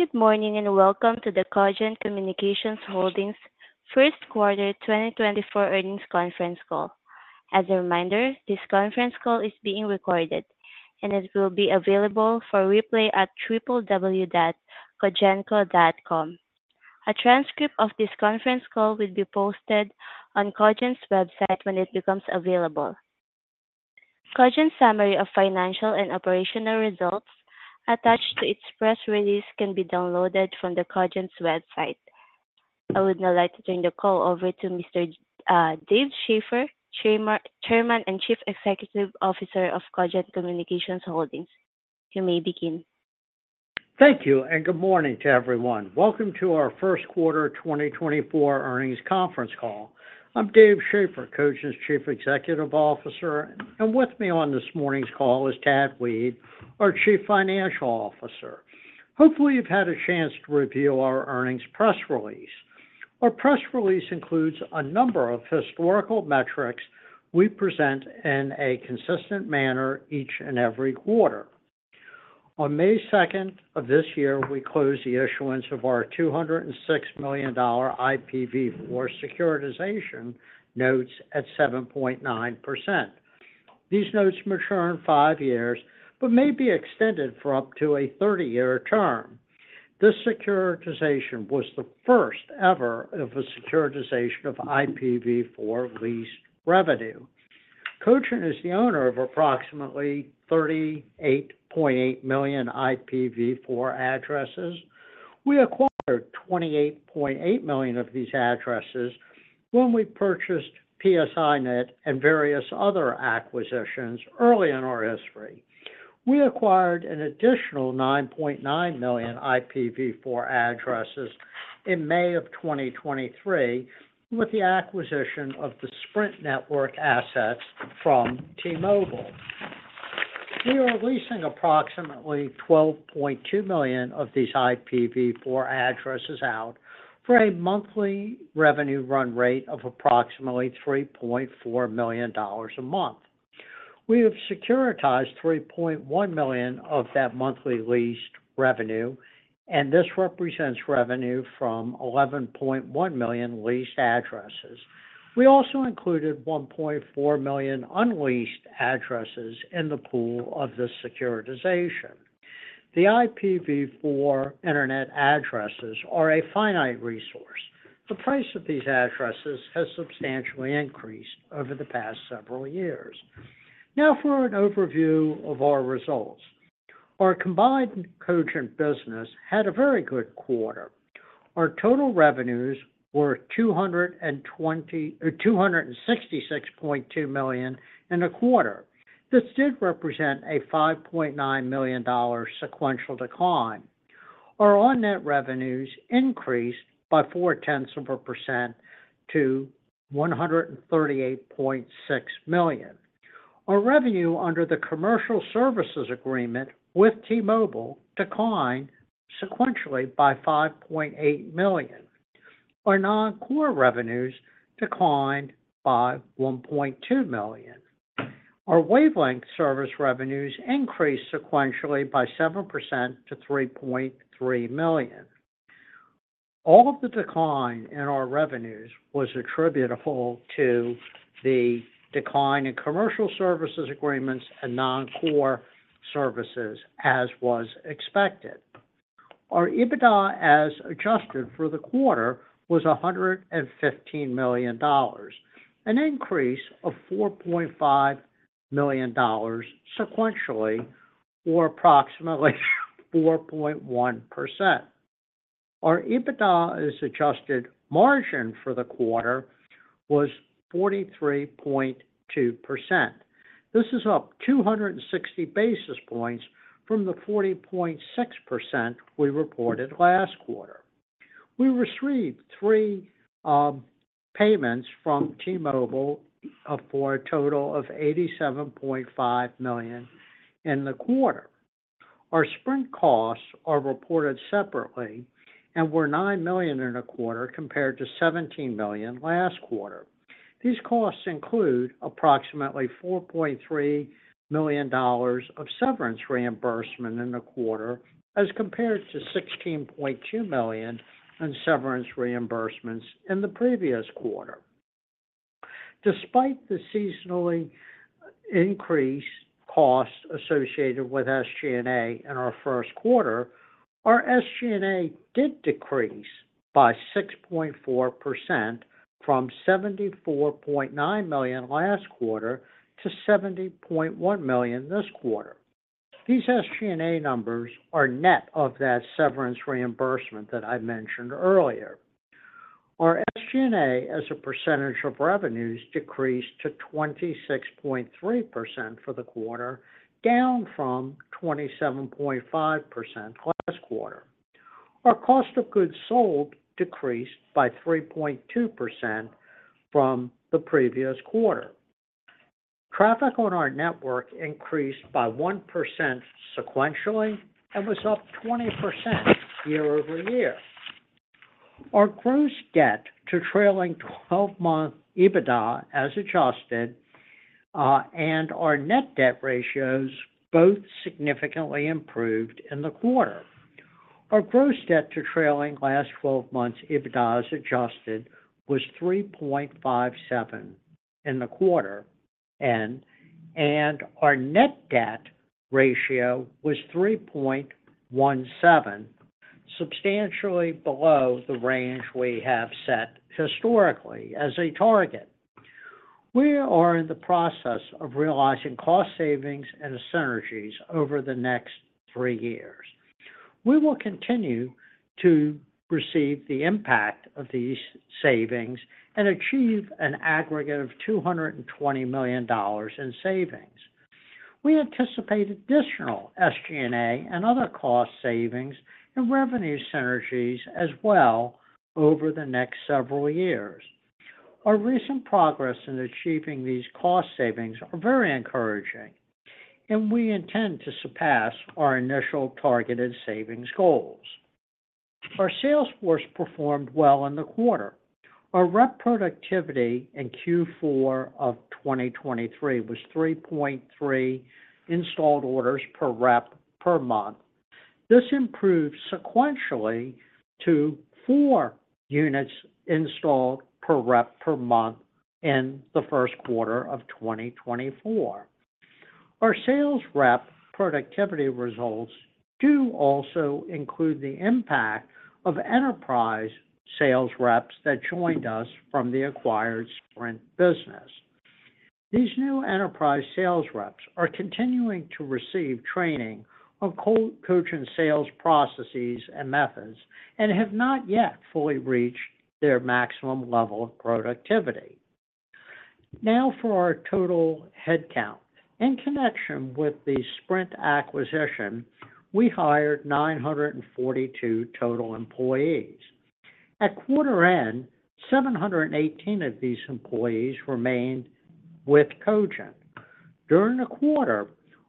Good morning and welcome to the Cogent Communications Holdings' first quarter 2024 earnings conference call. As a reminder, this conference call is being recorded and it will be available for replay at www.cogentco.com. A transcript of this conference call will be posted on Cogent's website when it becomes available. Cogent's summary of financial and operational results attached to its press release can be downloaded from Cogent's website. I would now like to turn the call over to Mr. Dave Schaeffer, Chairman and Chief Executive Officer of Cogent Communications Holdings. You may begin. Thank you, and good morning to everyone. Welcome to our first quarter 2024 earnings conference call. I'm Dave Schaeffer, Cogent's Chief Executive Officer, and with me on this morning's call is Tad Weed, our Chief Financial Officer. Hopefully you've had a chance to review our earnings press release. Our press release includes a number of historical metrics we present in a consistent manner each and every quarter. On May 2nd of this year we closed the issuance of our $206 million IPv4 securitization notes at 7.9%. These notes mature in five years but may be extended for up to a 30-year term. This securitization was the first ever of a securitization of IPv4 lease revenue. Cogent is the owner of approximately 38.8 million IPv4 addresses. We acquired 28.8 million of these addresses when we purchased PSINet and various other acquisitions early in our history. We acquired an additional 9.9 million IPv4 addresses in May of 2023 with the acquisition of the Sprint network assets from T-Mobile. We are leasing approximately 12.2 million of these IPv4 addresses out for a monthly revenue run rate of approximately $3.4 million a month. We have securitized 3.1 million of that monthly leased revenue, and this represents revenue from 11.1 million leased addresses. We also included 1.4 million unleased addresses in the pool of this securitization. The IPv4 internet addresses are a finite resource. The price of these addresses has substantially increased over the past several years. Now for an overview of our results. Our combined Cogent business had a very good quarter. Our total revenues were $266.2 million in a quarter. This did represent a $5.9 million sequential decline. Our on-net revenues increased by 0.4% to $138.6 million. Our revenue under the Commercial Services Agreement with T-Mobile declined sequentially by $5.8 million. Our non-core revenues declined by $1.2 million. Our wavelength service revenues increased sequentially by 7% to $3.3 million. All of the decline in our revenues was attributable to the decline in Commercial Services Agreements and non-core services as was expected. Our EBITDA as adjusted for the quarter was $115 million, an increase of $4.5 million sequentially or approximately 4.1%. Our EBITDA as adjusted margin for the quarter was 43.2%. This is up 260 basis points from the 40.6% we reported last quarter. We received three payments from T-Mobile for a total of $87.5 million in the quarter. Our Sprint costs are reported separately, and we're $9 million in a quarter compared to $17 million last quarter. These costs include approximately $4.3 million of severance reimbursement in the quarter as compared to $16.2 million in severance reimbursements in the previous quarter. Despite the seasonally increased cost associated with SG&A in our first quarter, our SG&A did decrease by 6.4% from $74.9 million last quarter to $70.1 million this quarter. These SG&A numbers are net of that severance reimbursement that I mentioned earlier. Our SG&A as a percentage of revenues decreased to 26.3% for the quarter, down from 27.5% last quarter. Our cost of goods sold decreased by 3.2% from the previous quarter. Traffic on our network increased by 1% sequentially and was up 20% year-over-year. Our gross debt to trailing 12-month EBITDA as adjusted, and our net debt ratios both significantly improved in the quarter. Our gross debt to trailing last 12 months EBITDA as adjusted was 3.57 in the quarter, and our net debt ratio was 3.17, substantially below the range we have set historically as a target. We are in the process of realizing cost savings and synergies over the next 3 years. We will continue to receive the impact of these savings and achieve an aggregate of $220 million in savings. We anticipate additional SG&A and other cost savings and revenue synergies as well over the next several years. Our recent progress in achieving these cost savings is very encouraging, and we intend to surpass our initial targeted savings goals. Our sales force performed well in the quarter. Our rep productivity in Q4 of 2023 was 3.3 installed orders per rep per month. This improved sequentially to 4 units installed per rep per month in the first quarter of 2024. Our sales rep productivity results do also include the impact of enterprise sales reps that joined us from the acquired Sprint business. These new enterprise sales reps are continuing to receive training on Cogent sales processes and methods and have not yet fully reached their maximum level of productivity. Now for our total headcount: in connection with the Sprint acquisition, we hired 942 total employees. At quarter end, 718 of these employees remained with Cogent. During the quarter,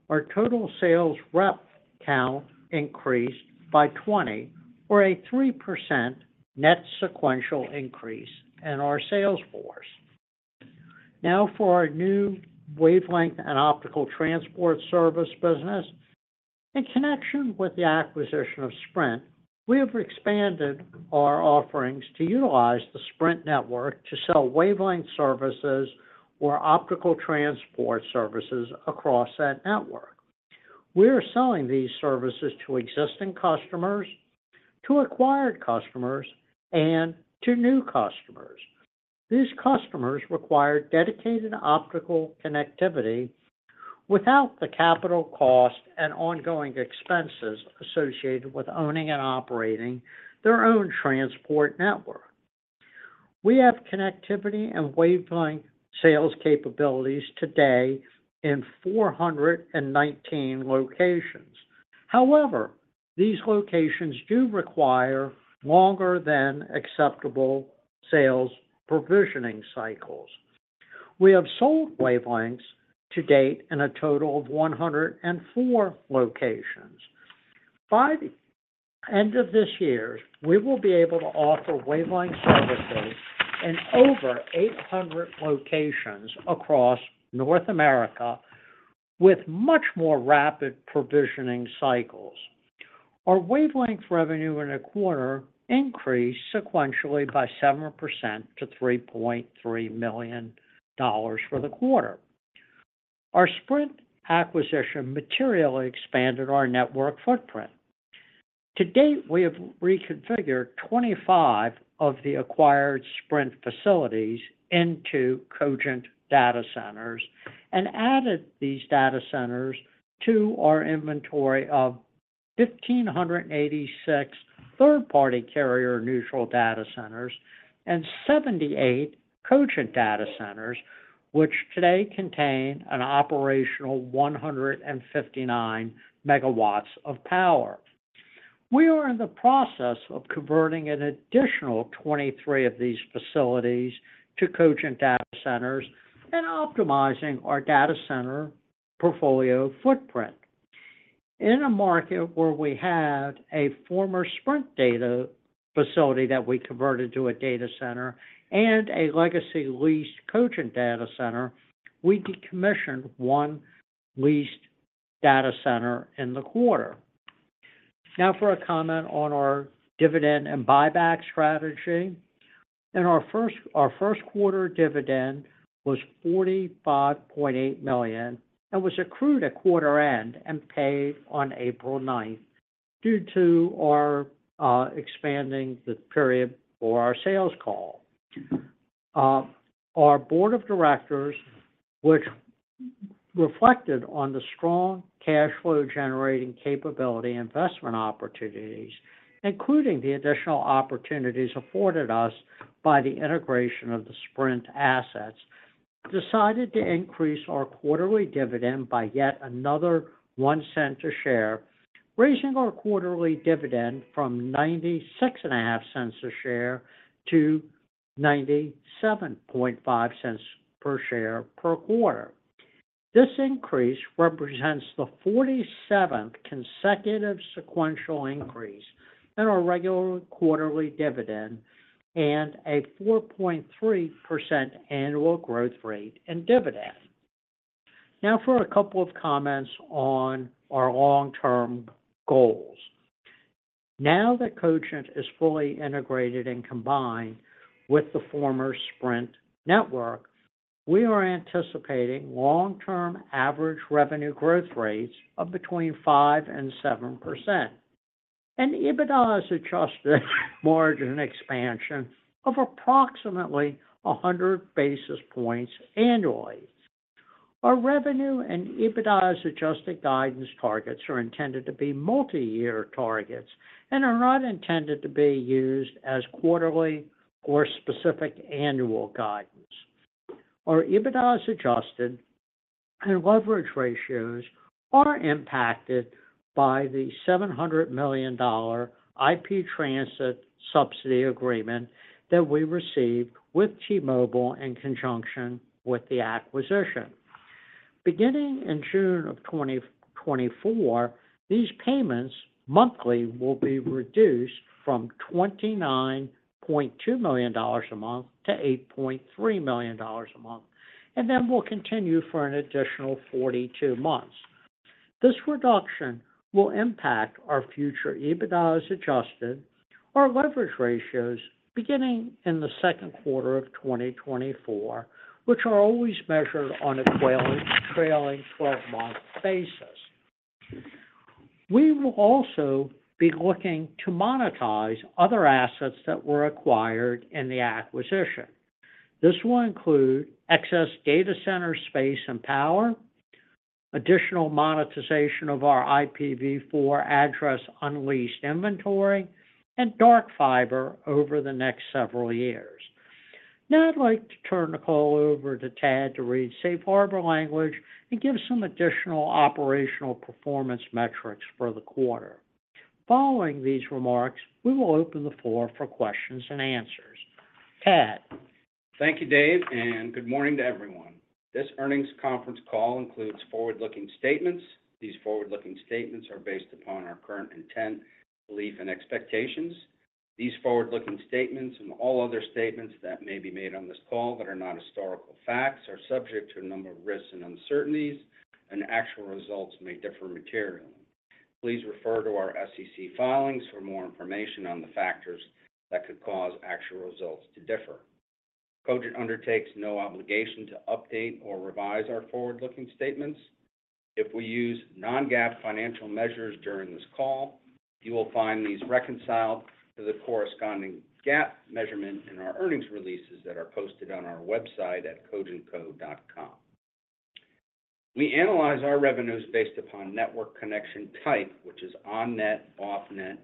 our total sales rep count increased by 20%, or a 3% net sequential increase in our sales force. Now for our new wavelength and optical transport service business: in connection with the acquisition of Sprint, we have expanded our offerings to utilize the Sprint network to sell wavelength services or optical transport services across that network. We are selling these services to existing customers, to acquired customers, and to new customers. These customers require dedicated optical connectivity without the capital cost and ongoing expenses associated with owning and operating their own transport network. We have connectivity and wavelength sales capabilities today in 419 locations. However, these locations do require longer than acceptable sales provisioning cycles. We have sold wavelengths to date in a total of 104 locations. By the end of this year, we will be able to offer wavelength services in over 800 locations across North America with much more rapid provisioning cycles. Our wavelength revenue in a quarter increased sequentially by 7% to $3.3 million for the quarter. Our Sprint acquisition materially expanded our network footprint. To date, we have reconfigured 25 of the acquired Sprint facilities into Cogent data centers and added these data centers to our inventory of 1,586 third-party carrier-neutral data centers and 78 Cogent data centers, which today contain an operational 159 MW of power. We are in the process of converting an additional 23 of these facilities to Cogent data centers and optimizing our data center portfolio footprint. In a market where we had a former Sprint data facility that we converted to a data center and a legacy leased Cogent data center, we decommissioned one leased data center in the quarter. Now for a comment on our dividend and buyback strategy: in our first quarter, dividend was $45.8 million and was accrued at quarter end and paid on April 9th due to our expanding the period for our sales call. Our board of directors, which reflected on the strong cash flow generating capability investment opportunities including the additional opportunities afforded us by the integration of the Sprint assets, decided to increase our quarterly dividend by yet another 1 cent a share, raising our quarterly dividend from $0.965 a share to $0.975 per share per quarter. This increase represents the 47th consecutive sequential increase in our regular quarterly dividend and a 4.3% annual growth rate in dividend. Now for a couple of comments on our long-term goals: now that Cogent is fully integrated and combined with the former Sprint network, we are anticipating long-term average revenue growth rates of between 5% and 7%, and EBITDA as adjusted margin expansion of approximately 100 basis points annually. Our revenue and EBITDA as adjusted guidance targets are intended to be multi-year targets and are not intended to be used as quarterly or specific annual guidance. Our EBITDA as adjusted and leverage ratios are impacted by the $700 million IP Transit subsidy agreement that we received with T-Mobile in conjunction with the acquisition. Beginning in June of 2024, these payments monthly will be reduced from $29.2 million a month to $8.3 million a month, and then will continue for an additional 42 months. This reduction will impact our future EBITDA as adjusted or leverage ratios beginning in the second quarter of 2024, which are always measured on a trailing 12-month basis. We will also be looking to monetize other assets that were acquired in the acquisition. This will include excess data center space and power, additional monetization of our IPv4 address unleased inventory, and dark fiber over the next several years. Now I'd like to turn the call over to Tad to read safe harbor language and give some additional operational performance metrics for the quarter. Following these remarks, we will open the floor for questions and answers. Tad. Thank you, Dave, and good morning to everyone. This earnings conference call includes forward-looking statements. These forward-looking statements are based upon our current intent, belief, and expectations. These forward-looking statements and all other statements that may be made on this call that are not historical facts are subject to a number of risks and uncertainties, and actual results may differ materially. Please refer to our SEC filings for more information on the factors that could cause actual results to differ. Cogent undertakes no obligation to update or revise our forward-looking statements. If we use non-GAAP financial measures during this call, you will find these reconciled to the corresponding GAAP measurement in our earnings releases that are posted on our website at cogentco.com. We analyze our revenues based upon network connection type, which is on-net, off-net,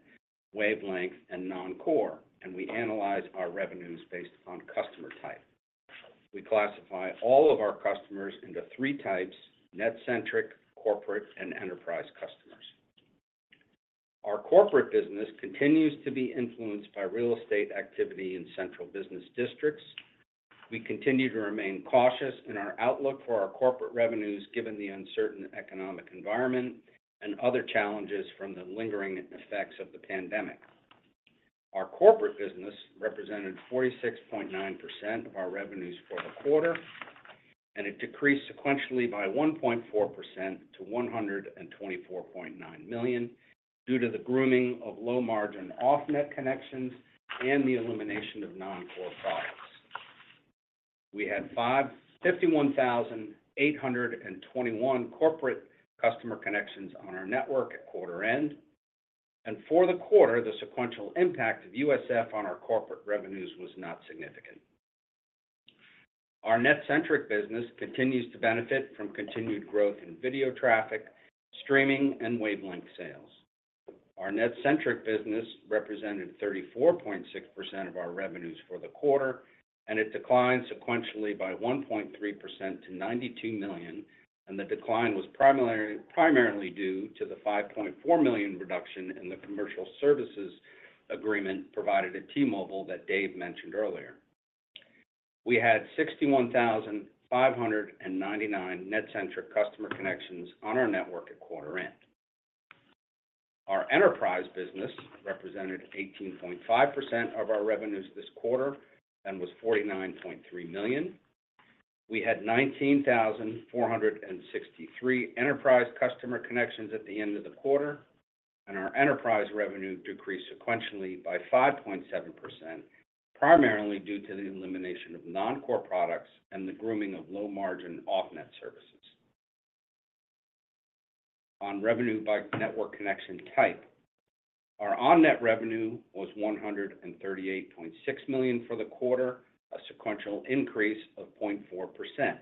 wavelength, and non-core, and we analyze our revenues based upon customer type. We classify all of our customers into three types: NetCentric, corporate, and enterprise customers. Our corporate business continues to be influenced by real estate activity in central business districts. We continue to remain cautious in our outlook for our corporate revenues given the uncertain economic environment and other challenges from the lingering effects of the pandemic. Our corporate business represented 46.9% of our revenues for the quarter, and it decreased sequentially by 1.4% to $124.9 million due to the grooming of low-margin off-net connections and the elimination of non-core products. We had 51,821 corporate customer connections on our network at quarter end, and for the quarter, the sequential impact of USF on our corporate revenues was not significant. Our NetCentric business continues to benefit from continued growth in video traffic, streaming, and wavelength sales. Our NetCentric business represented 34.6% of our revenues for the quarter, and it declined sequentially by 1.3% to $92 million, and the decline was primarily due to the $5.4 million reduction in the Commercial Services Agreement provided at T-Mobile that Dave mentioned earlier. We had 61,599 NetCentric customer connections on our network at quarter end. Our enterprise business represented 18.5% of our revenues this quarter and was $49.3 million. We had 19,463 enterprise customer connections at the end of the quarter, and our enterprise revenue decreased sequentially by 5.7%, primarily due to the elimination of non-core products and the grooming of low-margin off-net services. On revenue by network connection type: our on-net revenue was $138.6 million for the quarter, a sequential increase of 0.4%.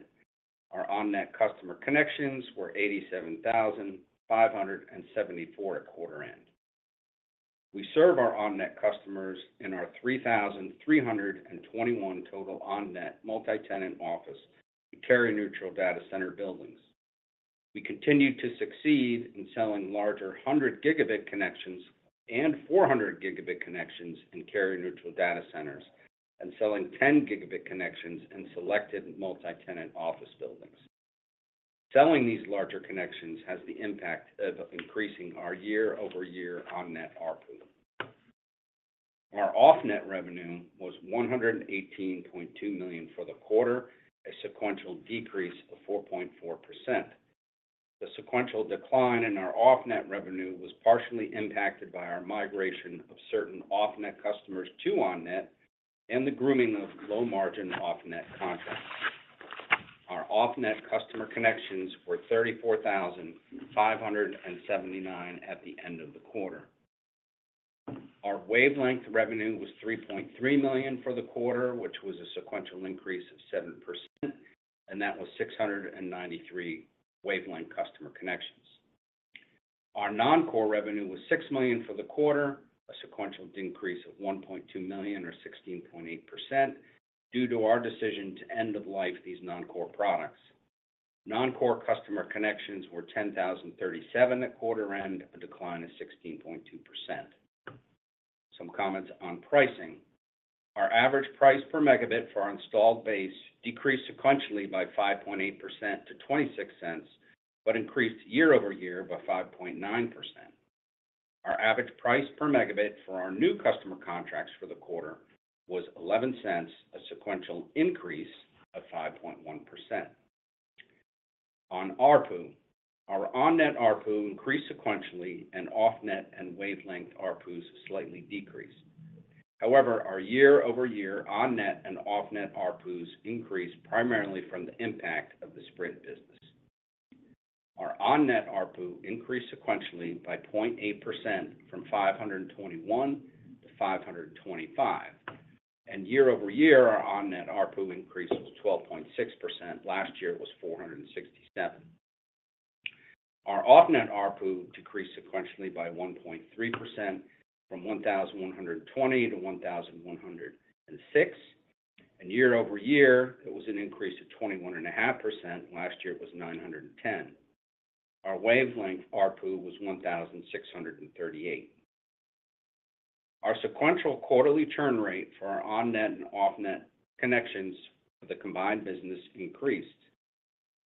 Our on-net customer connections were 87,574 at quarter end. We serve our on-net customers in our 3,321 total on-net multi-tenant office and carrier-neutral data center buildings. We continue to succeed in selling larger 100 gigabit connections and 400 gigabit connections in carrier-neutral data centers and selling 10 gigabit connections in selected multi-tenant office buildings. Selling these larger connections has the impact of increasing our year-over-year on-net RPU. Our off-net revenue was $118.2 million for the quarter, a sequential decrease of 4.4%. The sequential decline in our off-net revenue was partially impacted by our migration of certain off-net customers to on-net and the grooming of low-margin off-net contracts. Our off-net customer connections were 34,579 at the end of the quarter. Our wavelength revenue was $3.3 million for the quarter, which was a sequential increase of 7%, and that was 693 wavelength customer connections. Our non-core revenue was $6 million for the quarter, a sequential decrease of $1.2 million or 16.8% due to our decision to end-of-life these non-core products. Non-core customer connections were 10,037 at quarter end, a decline of 16.2%. Some comments on pricing: our average price per megabit for our installed base decreased sequentially by 5.8% to $0.26 but increased year-over-year by 5.9%. Our average price per megabit for our new customer contracts for the quarter was $0.11, a sequential increase of 5.1%. On RPU: our on-net RPU increased sequentially, and off-net and wavelength RPUs slightly decreased. However, our year-over-year on-net and off-net RPUs increased primarily from the impact of the Sprint business. Our on-net RPU increased sequentially by 0.8% from $521-$525, and year-over-year our on-net RPU increased was 12.6%. Last year, it was $467. Our off-net RPU decreased sequentially by 1.3% from $1,120 to $1,106, and year-over-year it was an increase of 21.5%. Last year, it was $910. Our wavelength RPU was $1,638. Our sequential quarterly churn rate for our on-net and off-net connections for the combined business increased.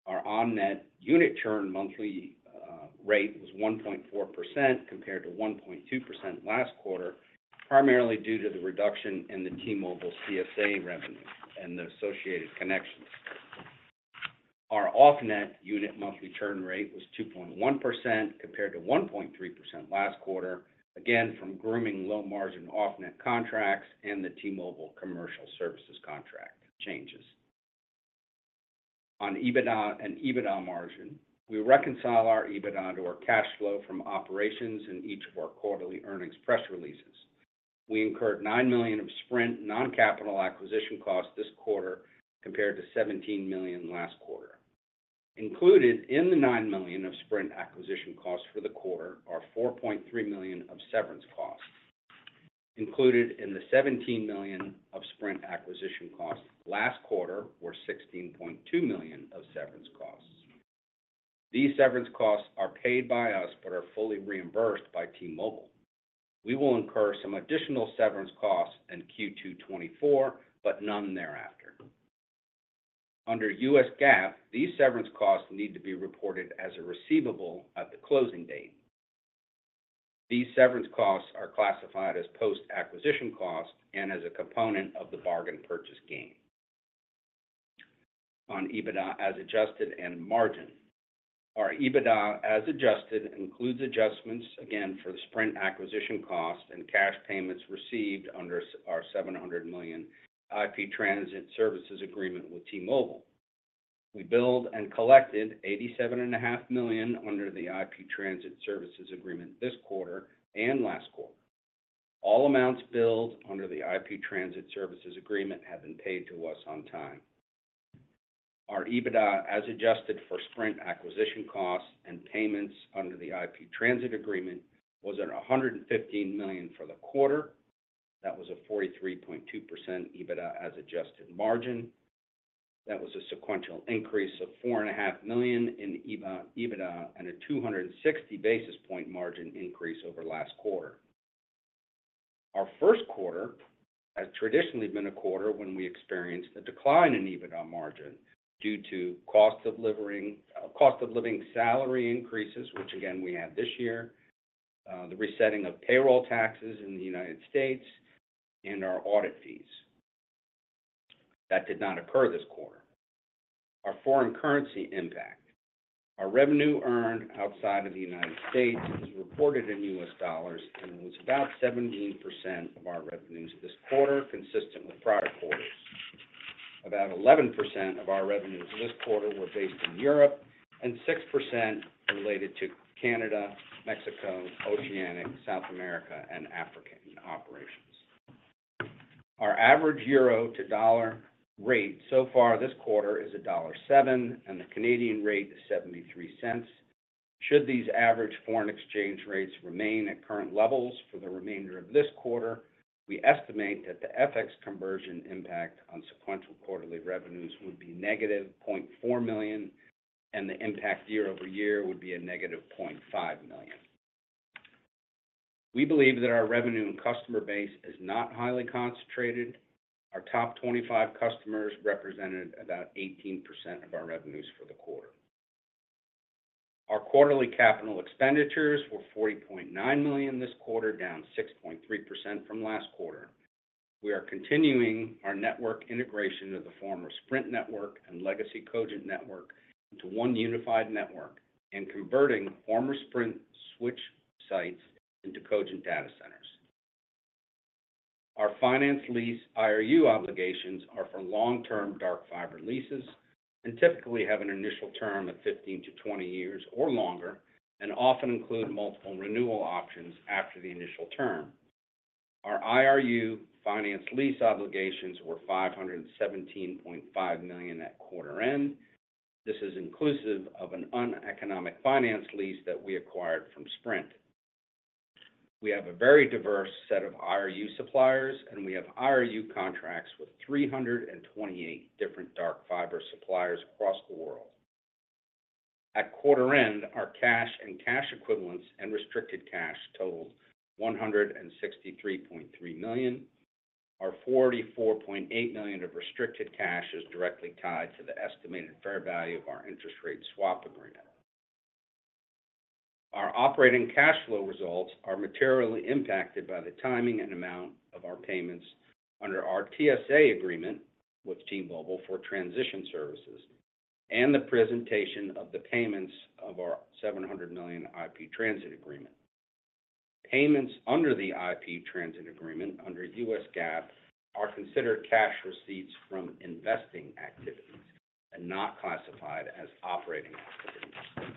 Our on-net unit churn monthly rate was 1.4% compared to 1.2% last quarter, primarily due to the reduction in the T-Mobile CSA revenue and the associated connections. Our off-net unit monthly churn rate was 2.1% compared to 1.3% last quarter, again from grooming low-margin off-net contracts and the T-Mobile commercial services contract changes. On EBITDA and EBITDA margin: we reconcile our EBITDA to our cash flow from operations in each of our quarterly earnings press releases. We incurred $9 million of Sprint non-capital acquisition costs this quarter compared to $17 million last quarter. Included in the $9 million of Sprint acquisition costs for the quarter are $4.3 million of severance costs. Included in the $17 million of Sprint acquisition costs last quarter were $16.2 million of severance costs. These severance costs are paid by us but are fully reimbursed by T-Mobile. We will incur some additional severance costs in Q2 2024 but none thereafter. Under U.S. GAAP, these severance costs need to be reported as a receivable at the closing date. These severance costs are classified as post-acquisition costs and as a component of the bargain purchase gain. On EBITDA as adjusted and margin: our EBITDA as adjusted includes adjustments, again for the Sprint acquisition costs and cash payments received under our $700 million IP Transit services agreement with T-Mobile. We billed and collected $87.5 million under the IP Transit services agreement this quarter and last quarter. All amounts billed under the IP Transit services agreement have been paid to us on time. Our EBITDA as adjusted for Sprint acquisition costs and payments under the IP Transit agreement was at $115 million for the quarter. That was a 43.2% EBITDA as adjusted margin. That was a sequential increase of $4.5 million in EBITDA and a 260 basis points margin increase over last quarter. Our first quarter has traditionally been a quarter when we experienced a decline in EBITDA margin due to cost of living salary increases, which again we had this year, the resetting of payroll taxes in the United States, and our audit fees. That did not occur this quarter. Our foreign currency impact: our revenue earned outside of the United States is reported in U.S. dollars and was about 17% of our revenues this quarter consistent with prior quarters. About 11% of our revenues this quarter were based in Europe and 6% related to Canada, Mexico, Oceania, South America, and African operations. Our average euro-to-dollar rate so far this quarter is $1.07 and the Canadian rate is $0.73. Should these average foreign exchange rates remain at current levels for the remainder of this quarter, we estimate that the FX conversion impact on sequential quarterly revenues would be -$0.4 million and the impact year-over-year would be -$0.5 million. We believe that our revenue and customer base is not highly concentrated. Our top 25 customers represented about 18% of our revenues for the quarter. Our quarterly capital expenditures were $40.9 million this quarter, down 6.3% from last quarter. We are continuing our network integration of the former Sprint network and legacy Cogent network into one unified network and converting former Sprint switch sites into Cogent data centers. Our finance lease IRU obligations are for long-term dark fiber leases and typically have an initial term of 15-20 years or longer and often include multiple renewal options after the initial term. Our IRU finance lease obligations were $517.5 million at quarter end. This is inclusive of an uneconomic finance lease that we acquired from Sprint. We have a very diverse set of IRU suppliers and we have IRU contracts with 328 different dark fiber suppliers across the world. At quarter end, our cash and cash equivalents and restricted cash totaled $163.3 million. Our $44.8 million of restricted cash is directly tied to the estimated fair value of our interest rate swap agreement. Our operating cash flow results are materially impacted by the timing and amount of our payments under our TSA agreement with T-Mobile for transition services and the presentation of the payments of our $700 million IP Transit agreement. Payments under the IP Transit agreement under U.S. GAAP are considered cash receipts from investing activities and not classified as operating activities.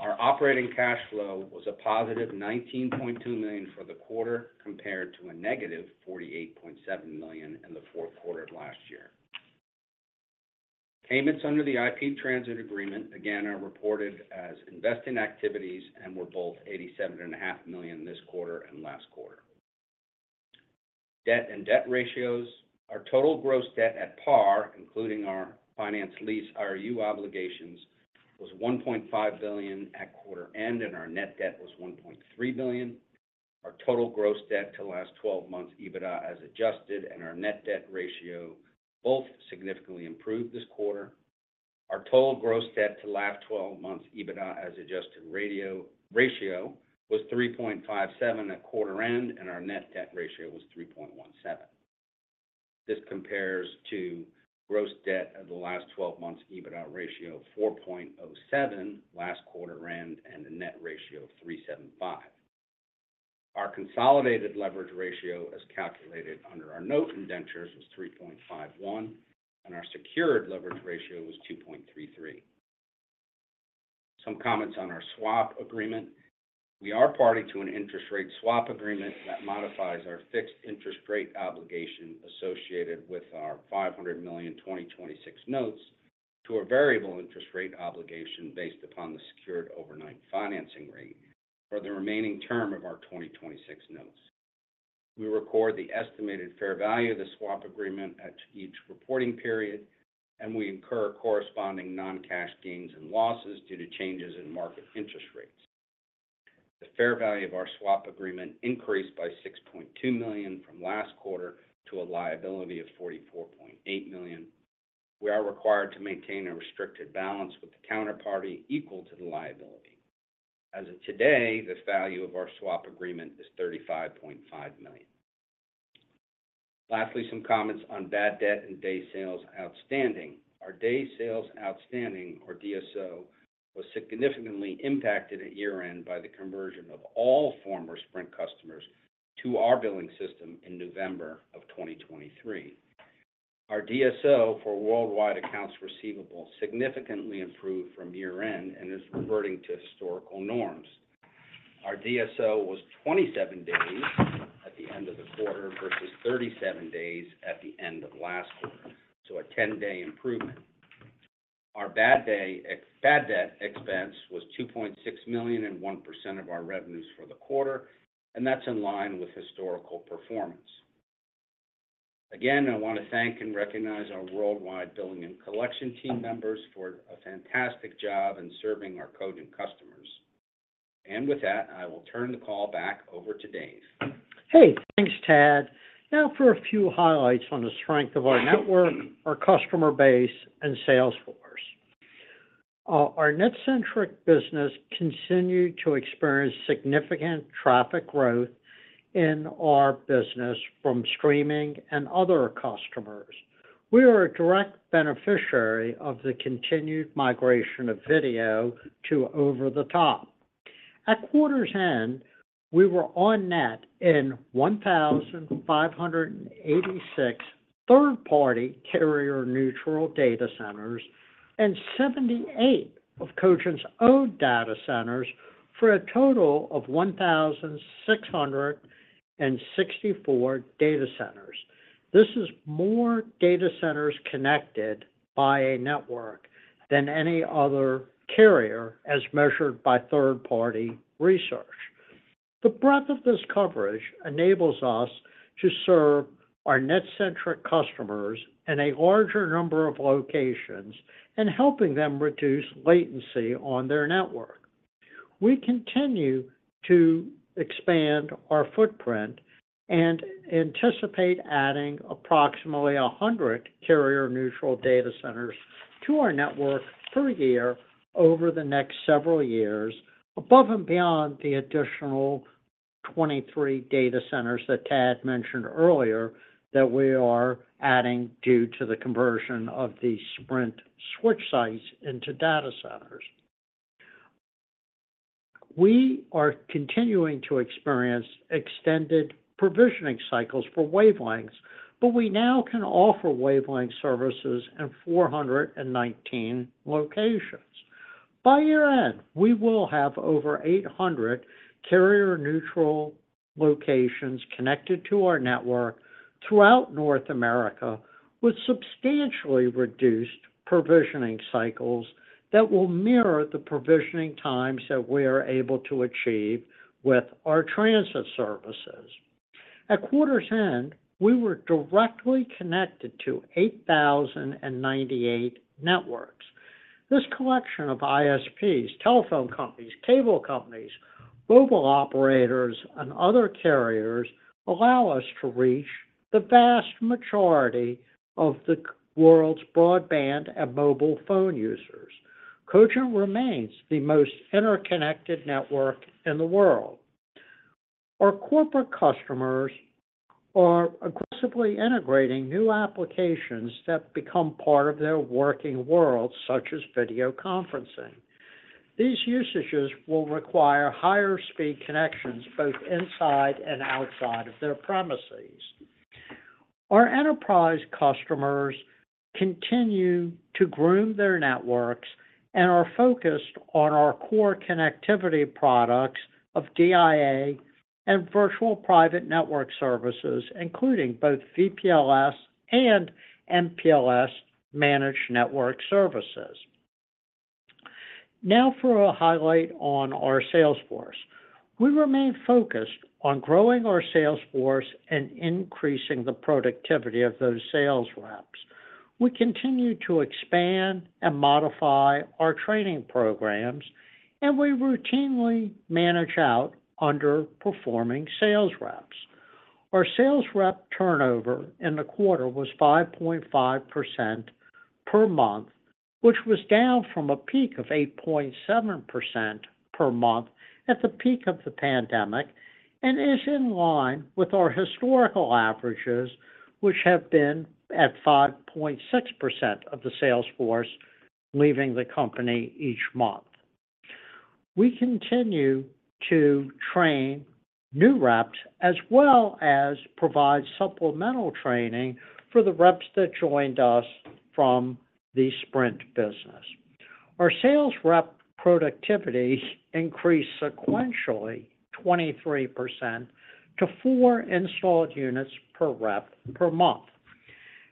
Our operating cash flow was a +$19.2 million for the quarter compared to a -$48.7 million in the fourth quarter of last year. Payments under the IP Transit agreement, again, are reported as investing activities and were both $87.5 million this quarter and last quarter. Debt and debt ratios: our total gross debt at par, including our finance lease IRU obligations, was $1.5 billion at quarter end and our net debt was $1.3 billion. Our total gross debt to last 12 months EBITDA as adjusted and our net debt ratio both significantly improved this quarter. Our total gross debt to last 12 months EBITDA as adjusted ratio was $3.57 at quarter end and our net debt ratio was $3.17. This compares to gross debt of the last 12 months EBITDA ratio 4.07 last quarter end and a net ratio of 3.75. Our consolidated leverage ratio, as calculated under our note indentures, was $3.51 and our secured leverage ratio was $2.33. Some comments on our swap agreement: we are party to an interest rate swap agreement that modifies our fixed interest rate obligation associated with our $500 million 2026 notes to a variable interest rate obligation based upon the Secured Overnight Financing Rate for the remaining term of our 2026 notes. We record the estimated fair value of the swap agreement at each reporting period and we incur corresponding non-cash gains and losses due to changes in market interest rates. The fair value of our swap agreement increased by $6.2 million from last quarter to a liability of $44.8 million. We are required to maintain a restricted balance with the counterparty equal to the liability. As of today, the value of our swap agreement is $35.5 million. Lastly, some comments on bad debt and Days Sales Outstanding: our Days Sales Outstanding, or DSO, was significantly impacted at year-end by the conversion of all former Sprint customers to our billing system in November of 2023. Our DSO for worldwide accounts receivable significantly improved from year-end and is reverting to historical norms. Our DSO was 27 days at the end of the quarter versus 37 days at the end of last quarter, so a 10-day improvement. Our bad debt expense was $2.6 million and 1% of our revenues for the quarter and that's in line with historical performance. Again, I want to thank and recognize our worldwide billing and collection team members for a fantastic job in serving our Cogent customers. And with that, I will turn the call back over to Dave. Hey. Thanks, Tad. Now for a few highlights on the strength of our network, our customer base, and sales force. Our NetCentric business continued to experience significant traffic growth in our business from streaming and other customers. We are a direct beneficiary of the continued migration of video to over-the-top. At quarter's end, we were on net in 1,586 third-party carrier-neutral data centers and 78 of Cogent's owned data centers for a total of 1,664 data centers. This is more data centers connected by a network than any other carrier as measured by third-party research. The breadth of this coverage enables us to serve our NetCentric customers in a larger number of locations and helping them reduce latency on their network. We continue to expand our footprint and anticipate adding approximately 100 carrier-neutral data centers to our network per year over the next several years, above and beyond the additional 23 data centers that Tad mentioned earlier that we are adding due to the conversion of the Sprint switch sites into data centers. We are continuing to experience extended provisioning cycles for wavelengths, but we now can offer wavelength services in 419 locations. By year end, we will have over 800 carrier-neutral locations connected to our network throughout North America with substantially reduced provisioning cycles that will mirror the provisioning times that we are able to achieve with our transit services. At quarter's end, we were directly connected to 8,098 networks. This collection of ISPs, telephone companies, cable companies, mobile operators, and other carriers, allows us to reach the vast majority of the world's broadband and mobile phone users. Cogent remains the most interconnected network in the world. Our corporate customers are aggressively integrating new applications that become part of their working world, such as video conferencing. These usages will require higher-speed connections both inside and outside of their premises. Our enterprise customers continue to groom their networks and are focused on our core connectivity products of DIA and virtual private network services, including both VPLS and MPLS managed network services. Now for a highlight on our sales force: we remain focused on growing our sales force and increasing the productivity of those sales reps. We continue to expand and modify our training programs, and we routinely manage out underperforming sales reps. Our sales rep turnover in the quarter was 5.5% per month, which was down from a peak of 8.7% per month at the peak of the pandemic and is in line with our historical averages, which have been at 5.6% of the sales force leaving the company each month. We continue to train new reps as well as provide supplemental training for the reps that joined us from the Sprint business. Our sales rep productivity increased sequentially 23% to 4 installed units per rep per month.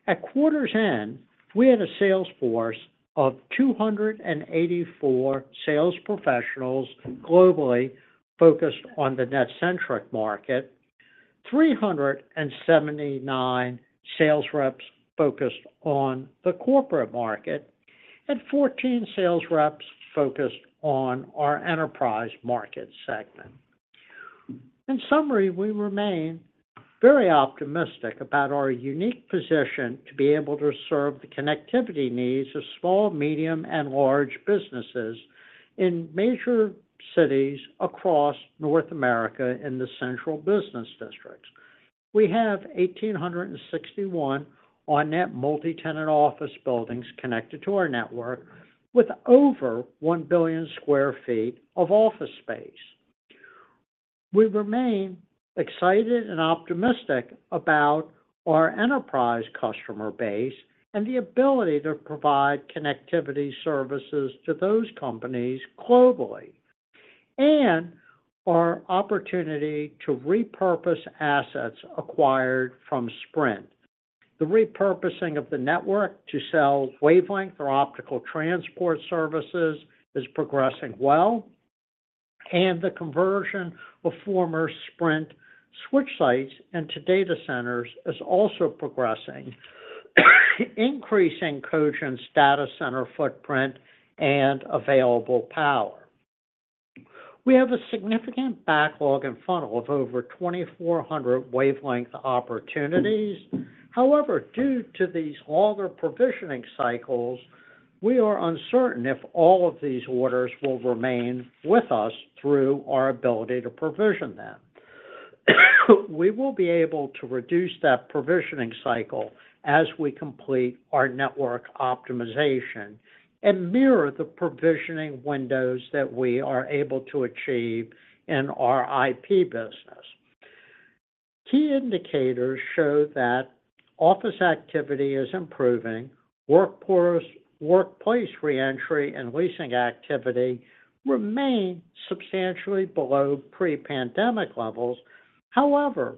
At quarter's end, we had a sales force of 284 sales professionals globally focused on the NetCentric market, 379 sales reps focused on the corporate market, and 14 sales reps focused on our enterprise market segment. In summary, we remain very optimistic about our unique position to be able to serve the connectivity needs of small, medium, and large businesses in major cities across North America in the central business districts. We have 1,861 on-net multi-tenant office buildings connected to our network with over 1 billion sq ft of office space. We remain excited and optimistic about our enterprise customer base and the ability to provide connectivity services to those companies globally and our opportunity to repurpose assets acquired from Sprint. The repurposing of the network to sell wavelength or optical transport services is progressing well, and the conversion of former Sprint switch sites into data centers is also progressing, increasing Cogent's data center footprint and available power. We have a significant backlog and funnel of over 2,400 wavelength opportunities. However, due to these longer provisioning cycles, we are uncertain if all of these orders will remain with us through our ability to provision them. We will be able to reduce that provisioning cycle as we complete our network optimization and mirror the provisioning windows that we are able to achieve in our IP business. Key indicators show that office activity is improving. Workplace reentry and leasing activity remain substantially below pre-pandemic levels. However,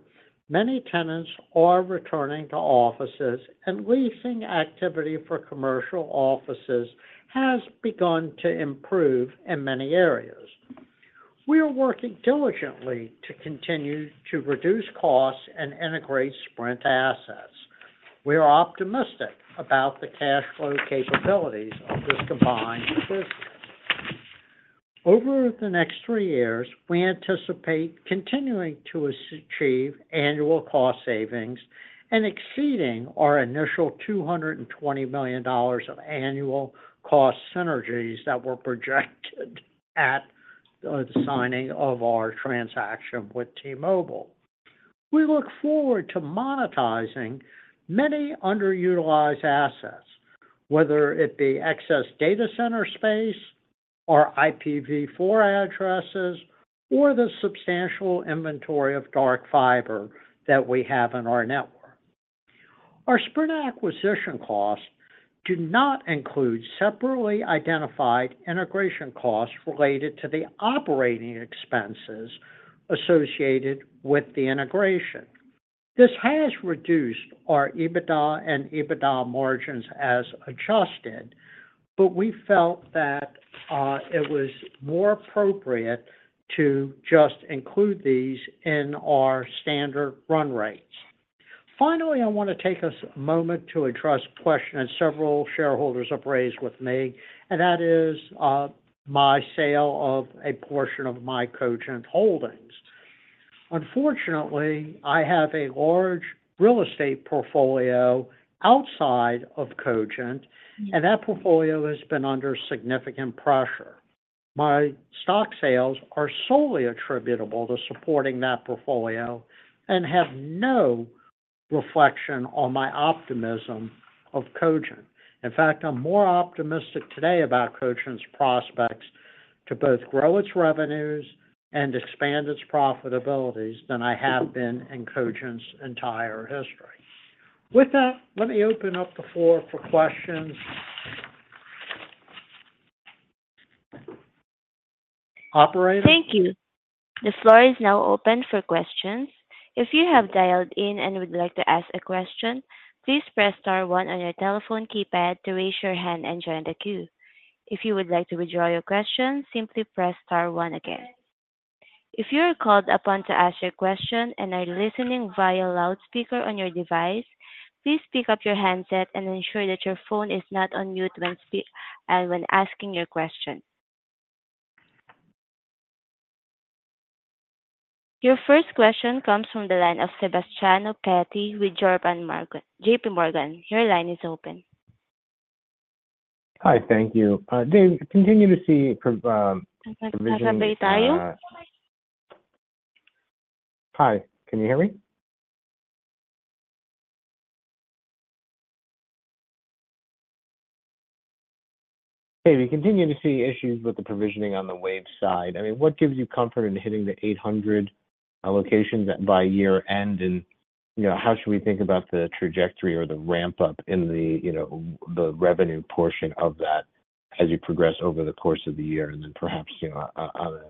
many tenants are returning to offices, and leasing activity for commercial offices has begun to improve in many areas. We are working diligently to continue to reduce costs and integrate Sprint assets. We are optimistic about the cash flow capabilities of this combined business. Over the next three years, we anticipate continuing to achieve annual cost savings and exceeding our initial $220 million of annual cost synergies that were projected at the signing of our transaction with T-Mobile. We look forward to monetizing many underutilized assets, whether it be excess data center space or IPv4 addresses or the substantial inventory of dark fiber that we have in our network. Our Sprint acquisition costs do not include separately identified integration costs related to the operating expenses associated with the integration. This has reduced our EBITDA and EBITDA margins as adjusted, but we felt that, it was more appropriate to just include these in our standard run rates. Finally, I want to take a moment to address a question that several shareholders have raised with me, and that is, my sale of a portion of my Cogent holdings. Unfortunately, I have a large real estate portfolio outside of Cogent, and that portfolio has been under significant pressure. My stock sales are solely attributable to supporting that portfolio and have no reflection on my optimism of Cogent. In fact, I'm more optimistic today about Cogent's prospects to both grow its revenues and expand its profitabilities than I have been in Cogent's entire history. With that, let me open up the floor for questions. Operator. Thank you. The floor is now open for questions. If you have dialed in and would like to ask a question, please press star one on your telephone keypad to raise your hand and join the queue. If you would like to withdraw your question, simply press star one again. If you are called upon to ask your question and are listening via loudspeaker on your device, please pick up your handset and ensure that your phone is not on mute when speaking and when asking your question. Your first question comes from the line of Sebastiano Petti with JPMorgan. Your line is open. Hi. Thank you. Hi. Can you hear me? Dave, you continue to see issues with the provisioning on the wave side. I mean, what gives you comfort in hitting the 800 locations by year end? And how should we think about the trajectory or the ramp-up in the revenue portion of that as you progress over the course of the year and then perhaps on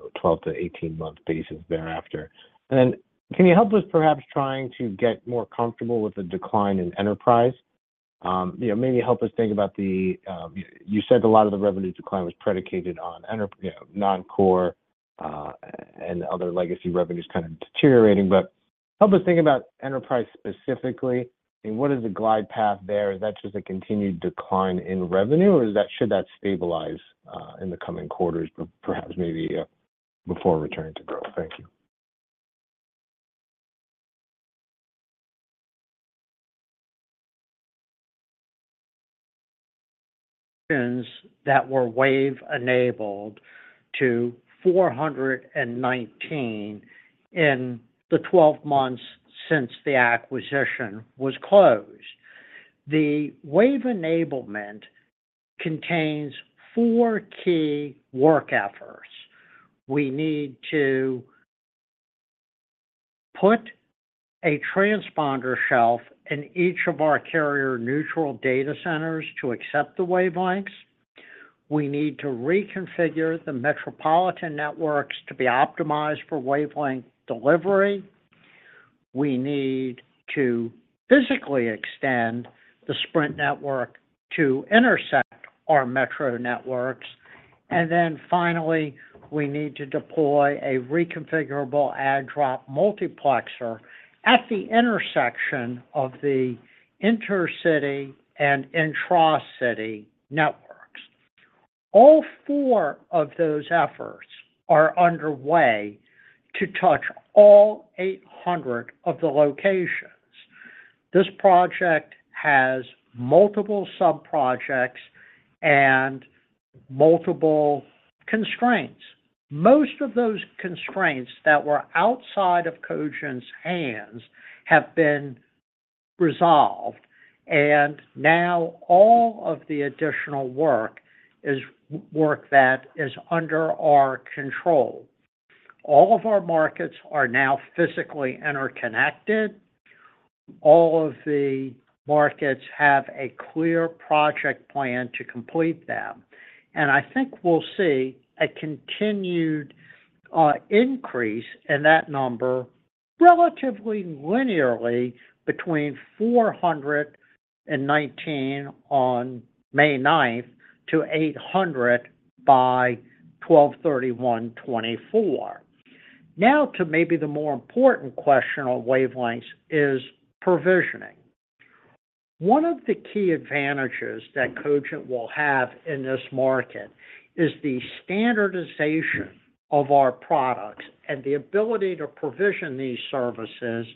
a 12- to 18-month basis thereafter? And then can you help us perhaps trying to get more comfortable with the decline in enterprise? Maybe help us think about what you said a lot of the revenue decline was predicated on non-core and other legacy revenues kind of deteriorating. But help us think about enterprise specifically. I mean, what is the glide path there? Is that just a continued decline in revenue, or should that stabilize in the coming quarters, perhaps maybe before returning to growth? Thank you. Options that were wave-enabled to 419 in the 12 months since the acquisition was closed. The wave-enablement contains four key work efforts. We need to put a transponder shelf in each of our carrier-neutral data centers to accept the wavelengths. We need to reconfigure the metropolitan networks to be optimized for wavelength delivery. We need to physically extend the Sprint network to intersect our metro networks. And then finally, we need to deploy a reconfigurable add-drop multiplexer at the intersection of the intercity and intracity networks. All 4 of those efforts are underway to touch all 800 of the locations. This project has multiple subprojects and multiple constraints. Most of those constraints that were outside of Cogent's hands have been resolved, and now all of the additional work is work that is under our control. All of our markets are now physically interconnected. All of the markets have a clear project plan to complete them. And I think we'll see a continued increase in that number relatively linearly between 419 on May 9th to 800 by 12/31/2024. Now to maybe the more important question on wavelengths is provisioning. One of the key advantages that Cogent will have in this market is the standardization of our products and the ability to provision these services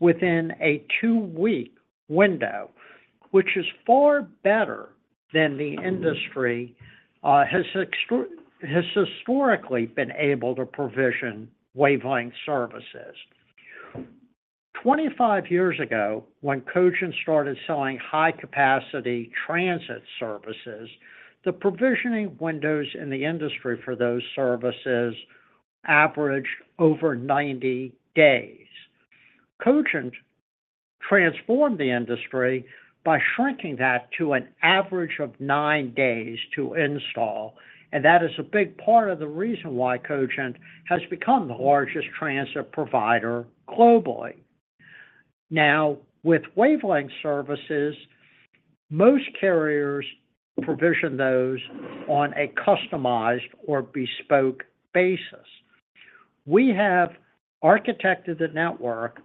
within a 2-week window, which is far better than the industry has historically been able to provision wavelength services. 25 years ago, when Cogent started selling high-capacity transit services, the provisioning windows in the industry for those services averaged over 90 days. Cogent transformed the industry by shrinking that to an average of 9 days to install, and that is a big part of the reason why Cogent has become the largest transit provider globally. Now, with wavelength services, most carriers provision those on a customized or bespoke basis. We have architected the network,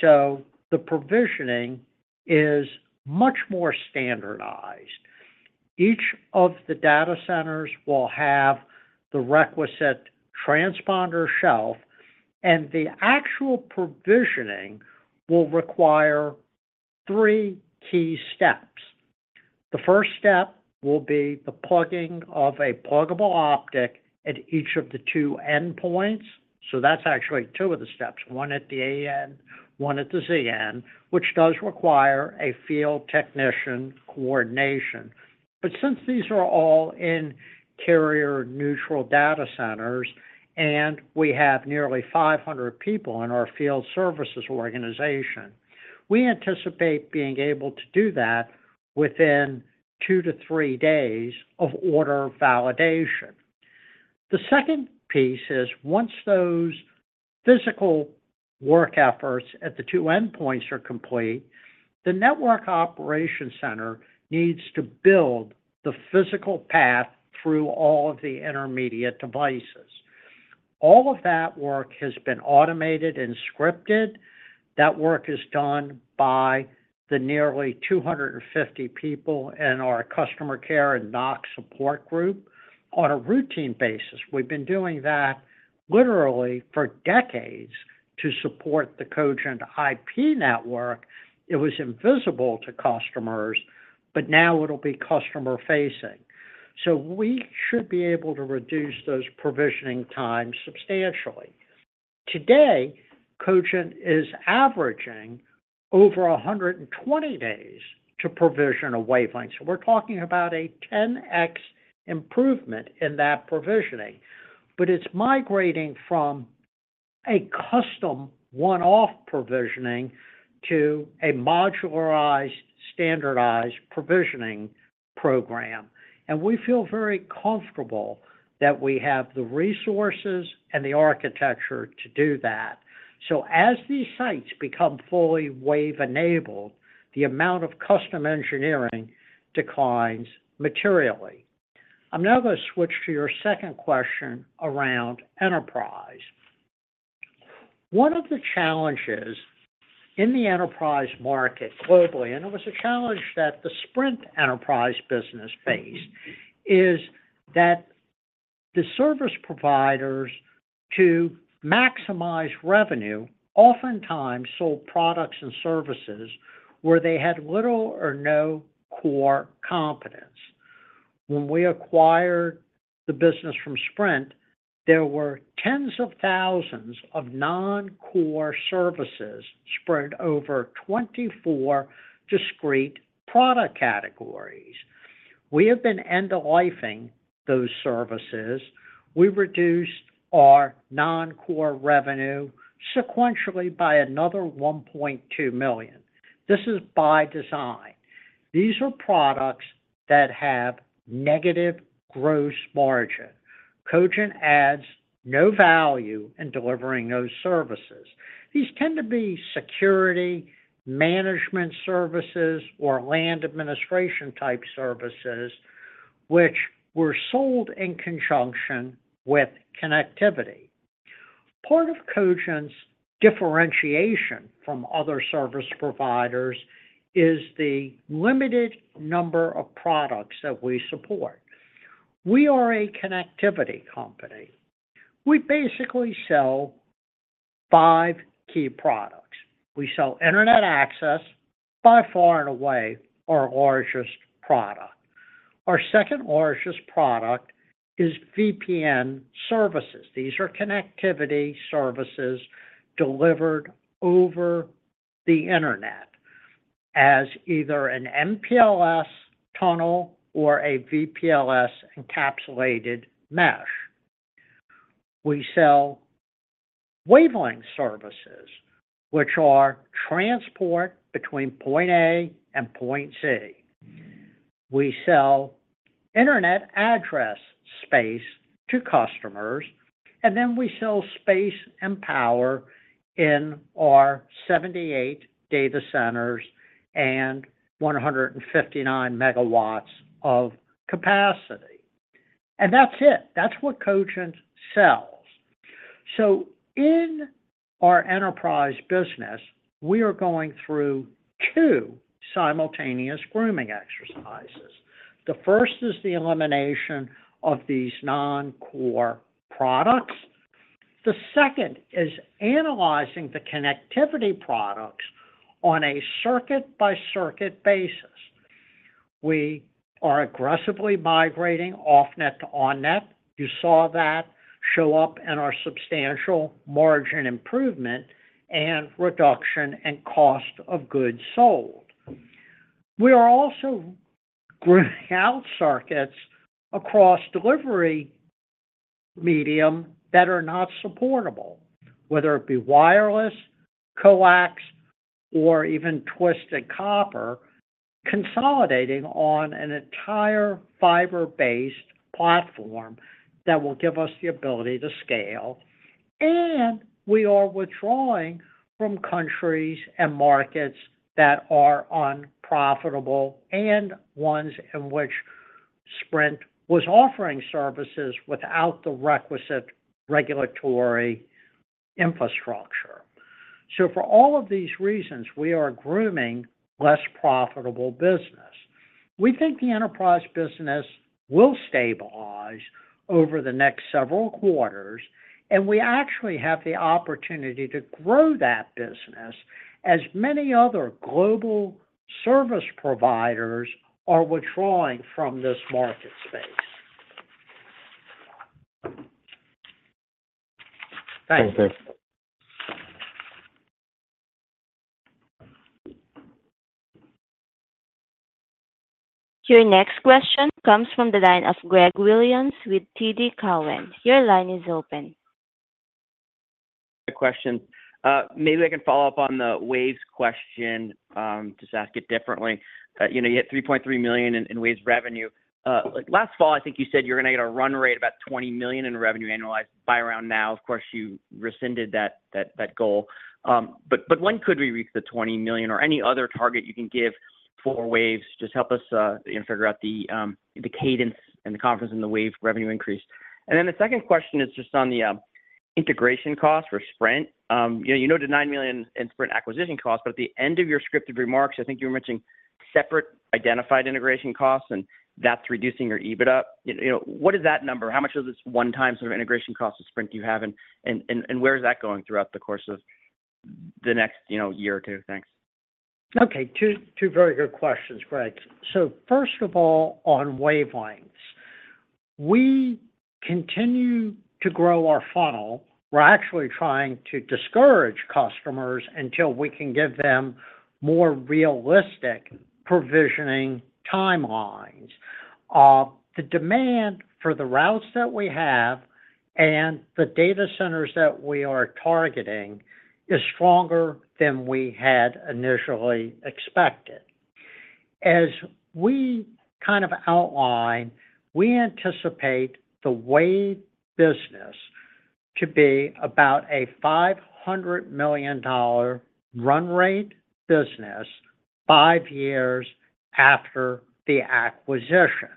so the provisioning is much more standardized. Each of the data centers will have the requisite transponder shelf, and the actual provisioning will require 3 key steps. The first step will be the plugging of a pluggable optic at each of the 2 endpoints. So that's actually 2 of the steps: 1 at the A end, 1 at the Z end, which does require a field technician coordination. But since these are all in carrier-neutral data centers and we have nearly 500 people in our field services organization, we anticipate being able to do that within 2-3 days of order validation. The second piece is once those physical work efforts at the two endpoints are complete, the network operation center needs to build the physical path through all of the intermediate devices. All of that work has been automated and scripted. That work is done by the nearly 250 people in our customer care and NOC support group on a routine basis. We've been doing that literally for decades to support the Cogent IP network. It was invisible to customers, but now it'll be customer-facing. So we should be able to reduce those provisioning times substantially. Today, Cogent is averaging over 120 days to provision a wavelength. So we're talking about a 10x improvement in that provisioning. But it's migrating from a custom one-off provisioning to a modularized, standardized provisioning program. And we feel very comfortable that we have the resources and the architecture to do that. So as these sites become fully wave-enabled, the amount of custom engineering declines materially. I'm now going to switch to your second question around enterprise. One of the challenges in the enterprise market globally, and it was a challenge that the Sprint enterprise business faced, is that the service providers to maximize revenue oftentimes sold products and services where they had little or no core competence. When we acquired the business from Sprint, there were tens of thousands of non-core services spread over 24 discrete product categories. We have been end-of-life-ing those services. We reduced our non-core revenue sequentially by another $1.2 million. This is by design. These are products that have negative gross margin. Cogent adds no value in delivering those services. These tend to be security management services or land administration-type services, which were sold in conjunction with connectivity. Part of Cogent's differentiation from other service providers is the limited number of products that we support. We are a connectivity company. We basically sell 5 key products. We sell internet access, by far and away our largest product. Our second largest product is VPN services. These are connectivity services delivered over the internet as either an MPLS tunnel or a VPLS encapsulated mesh. We sell wavelength services, which are transport between point A and point C. We sell internet address space to customers, and then we sell space and power in our 78 data centers and 159 MW of capacity. That's it. That's what Cogent sells. So in our enterprise business, we are going through two simultaneous grooming exercises. The first is the elimination of these non-core products. The second is analyzing the connectivity products on a circuit-by-circuit basis. We are aggressively migrating off-net to on-net. You saw that show up in our substantial margin improvement and reduction in Cost of Goods Sold. We are also grooming out circuits across delivery medium that are not supportable, whether it be wireless, coax, or even twisted copper, consolidating on an entire fiber-based platform that will give us the ability to scale. And we are withdrawing from countries and markets that are unprofitable and ones in which Sprint was offering services without the requisite regulatory infrastructure. So for all of these reasons, we are grooming less profitable business. We think the enterprise business will stabilize over the next several quarters, and we actually have the opportunity to grow that business as many other global service providers are withdrawing from this market space. Thanks. Thank you. Your next question comes from the line of Greg Williams with TD Cowen. Your line is open. Question. Maybe I can follow up on the Waves' question, just ask it differently. You had $3.3 million in Waves' revenue. Last fall, I think you said you were going to get a run rate about $20 million in revenue annualized. By around now, of course, you rescinded that goal. But when could we reach the $20 million or any other target you can give for Waves? Just help us figure out the cadence and the confidence in the Waves revenue increase. And then the second question is just on the integration costs for Sprint. You noted $9 million in Sprint acquisition costs, but at the end of your scripted remarks, I think you were mentioning separate identified integration costs, and that's reducing your EBITDA. What is that number? How much of this one-time sort of integration cost to Sprint do you have, and where is that going throughout the course of the next year or two? Thanks. Okay. Two very good questions, Greg. So first of all, on wavelengths, we continue to grow our funnel. We're actually trying to discourage customers until we can give them more realistic provisioning timelines. The demand for the routes that we have and the data centers that we are targeting is stronger than we had initially expected. As we kind of outlined, we anticipate the wave business to be about a $500 million run rate business five years after the acquisition.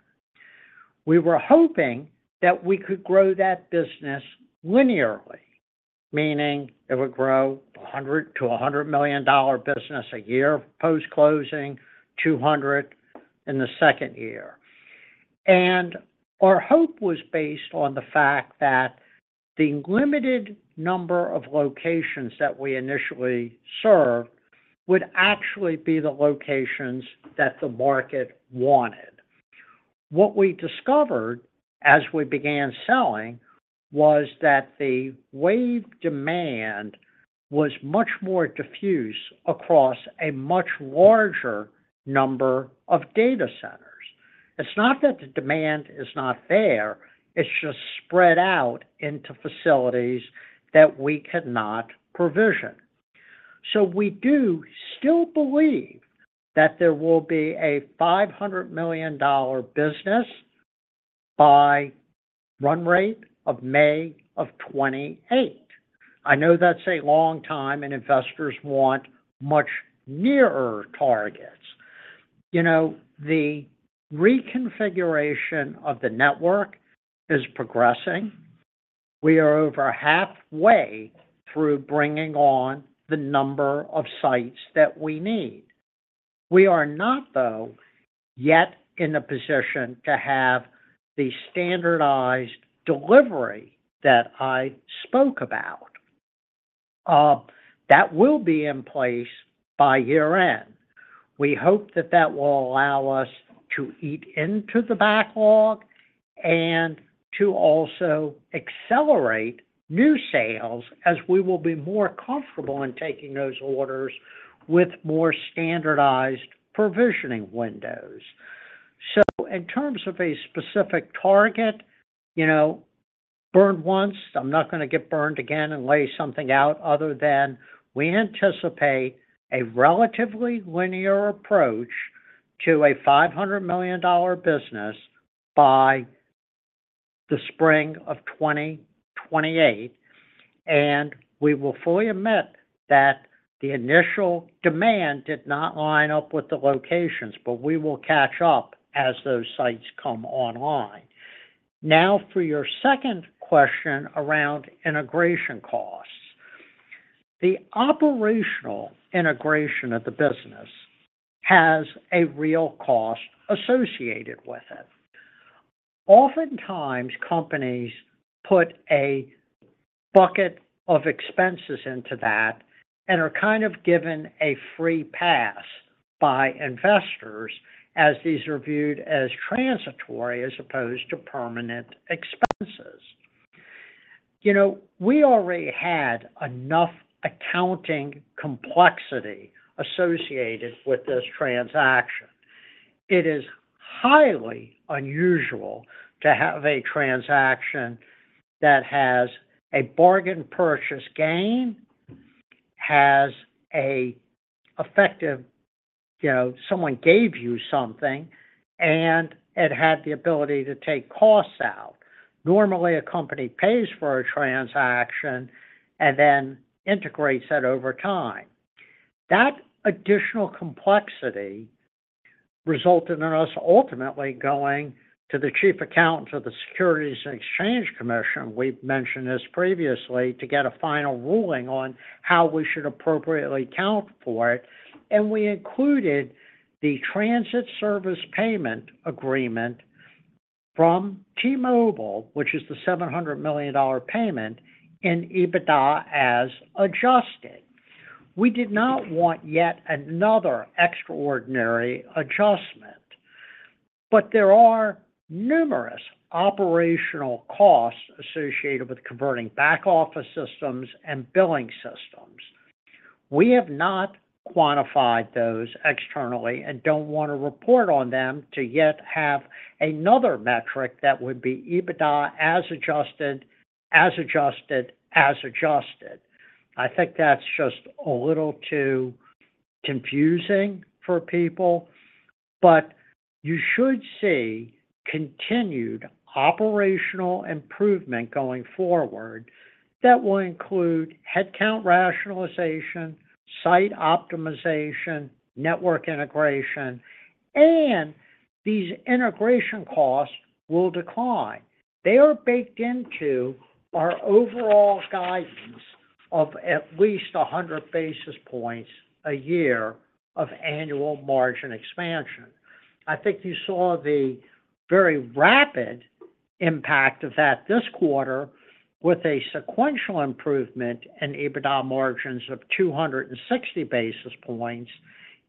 We were hoping that we could grow that business linearly, meaning it would grow to a $100 million business a year post-closing, $200 million in the second year. Our hope was based on the fact that the limited number of locations that we initially served would actually be the locations that the market wanted. What we discovered as we began selling was that the wave demand was much more diffuse across a much larger number of data centers. It's not that the demand is not there; it's just spread out into facilities that we could not provision. We do still believe that there will be a $500 million business by run rate of May of 2028. I know that's a long time, and investors want much nearer targets. The reconfiguration of the network is progressing. We are over halfway through bringing on the number of sites that we need. We are not, though, yet in a position to have the standardized delivery that I spoke about. That will be in place by year-end. We hope that that will allow us to eat into the backlog and to also accelerate new sales as we will be more comfortable in taking those orders with more standardized provisioning windows. So in terms of a specific target, burn once. I'm not going to get burned again and lay something out other than we anticipate a relatively linear approach to a $500 million business by the spring of 2028. And we will fully admit that the initial demand did not line up with the locations, but we will catch up as those sites come online. Now for your second question around integration costs. The operational integration of the business has a real cost associated with it. Oftentimes, companies put a bucket of expenses into that and are kind of given a free pass by investors as these are viewed as transitory as opposed to permanent expenses. We already had enough accounting complexity associated with this transaction. It is highly unusual to have a transaction that has a bargain purchase gain, has an effective, someone gave you something, and it had the ability to take costs out. Normally, a company pays for a transaction and then integrates that over time. That additional complexity resulted in us ultimately going to the chief accountant of the Securities and Exchange Commission, we've mentioned this previously, to get a final ruling on how we should appropriately account for it. We included the transit service payment agreement from T-Mobile, which is the $700 million payment, in EBITDA as adjusted. We did not want yet another extraordinary adjustment. But there are numerous operational costs associated with converting back-office systems and billing systems. We have not quantified those externally and don't want to report on them to yet have another metric that would be EBITDA as adjusted, as adjusted, as adjusted. I think that's just a little too confusing for people. But you should see continued operational improvement going forward that will include headcount rationalization, site optimization, network integration. And these integration costs will decline. They are baked into our overall guidance of at least 100 basis points a year of annual margin expansion. I think you saw the very rapid impact of that this quarter with a sequential improvement in EBITDA margins of 260 basis points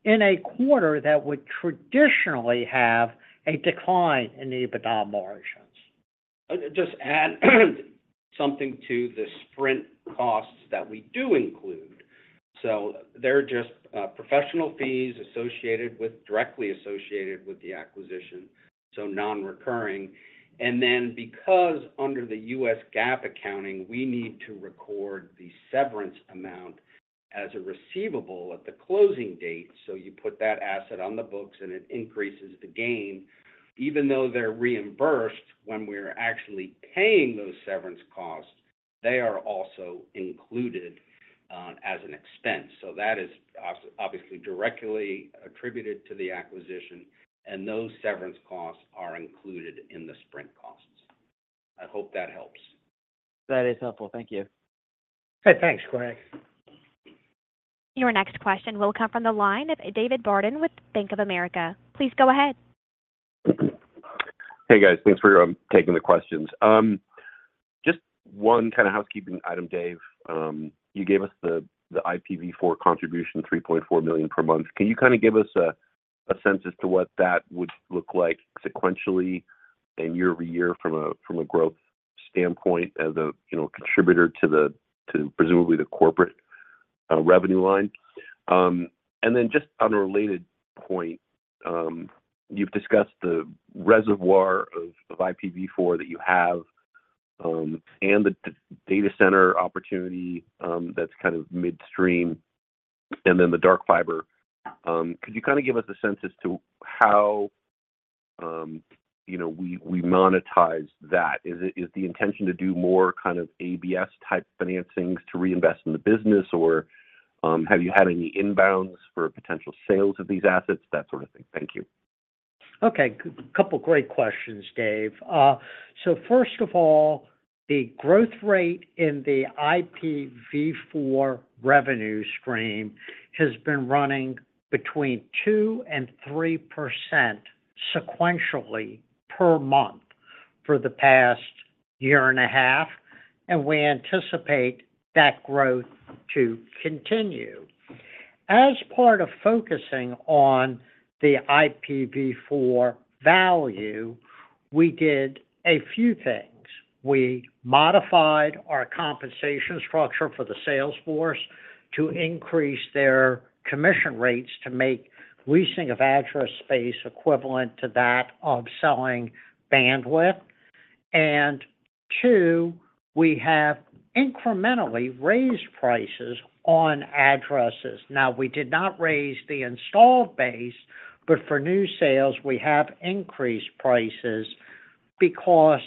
in a quarter that would traditionally have a decline in EBITDA margins. Just add something to the Sprint costs that we do include. So they're just professional fees directly associated with the acquisition, so non-recurring. And then because under the U.S. GAAP accounting, we need to record the severance amount as a receivable at the closing date. So you put that asset on the books, and it increases the gain. Even though they're reimbursed when we're actually paying those severance costs, they are also included as an expense. So that is obviously directly attributed to the acquisition, and those severance costs are included in the Sprint costs. I hope that helps. That is helpful. Thank you. Great. Thanks, Greg. Your next question will come from the line of David Barden with Bank of America. Please go ahead. Hey, guys. Thanks for taking the questions. Just one kind of housekeeping item, Dave. You gave us the IPv4 contribution, $3.4 million per month. Can you kind of give us a sense as to what that would look like sequentially and year-over-year from a growth standpoint as a contributor to presumably the corporate revenue line? And then just on a related point, you've discussed the reservoir of IPv4 that you have and the data center opportunity that's kind of midstream and then the dark fiber. Could you kind of give us a sense as to how we monetize that? Is the intention to do more kind of ABS-type financings to reinvest in the business, or have you had any inbounds for potential sales of these assets, that sort of thing? Thank you. Okay. Couple of great questions, Dave. So first of all, the growth rate in the IPv4 revenue stream has been running between 2% and 3% sequentially per month for the past year and a half, and we anticipate that growth to continue. As part of focusing on the IPv4 value, we did a few things. We modified our compensation structure for the sales force to increase their commission rates to make leasing of address space equivalent to that of selling bandwidth. And two, we have incrementally raised prices on addresses. Now, we did not raise the installed base, but for new sales, we have increased prices because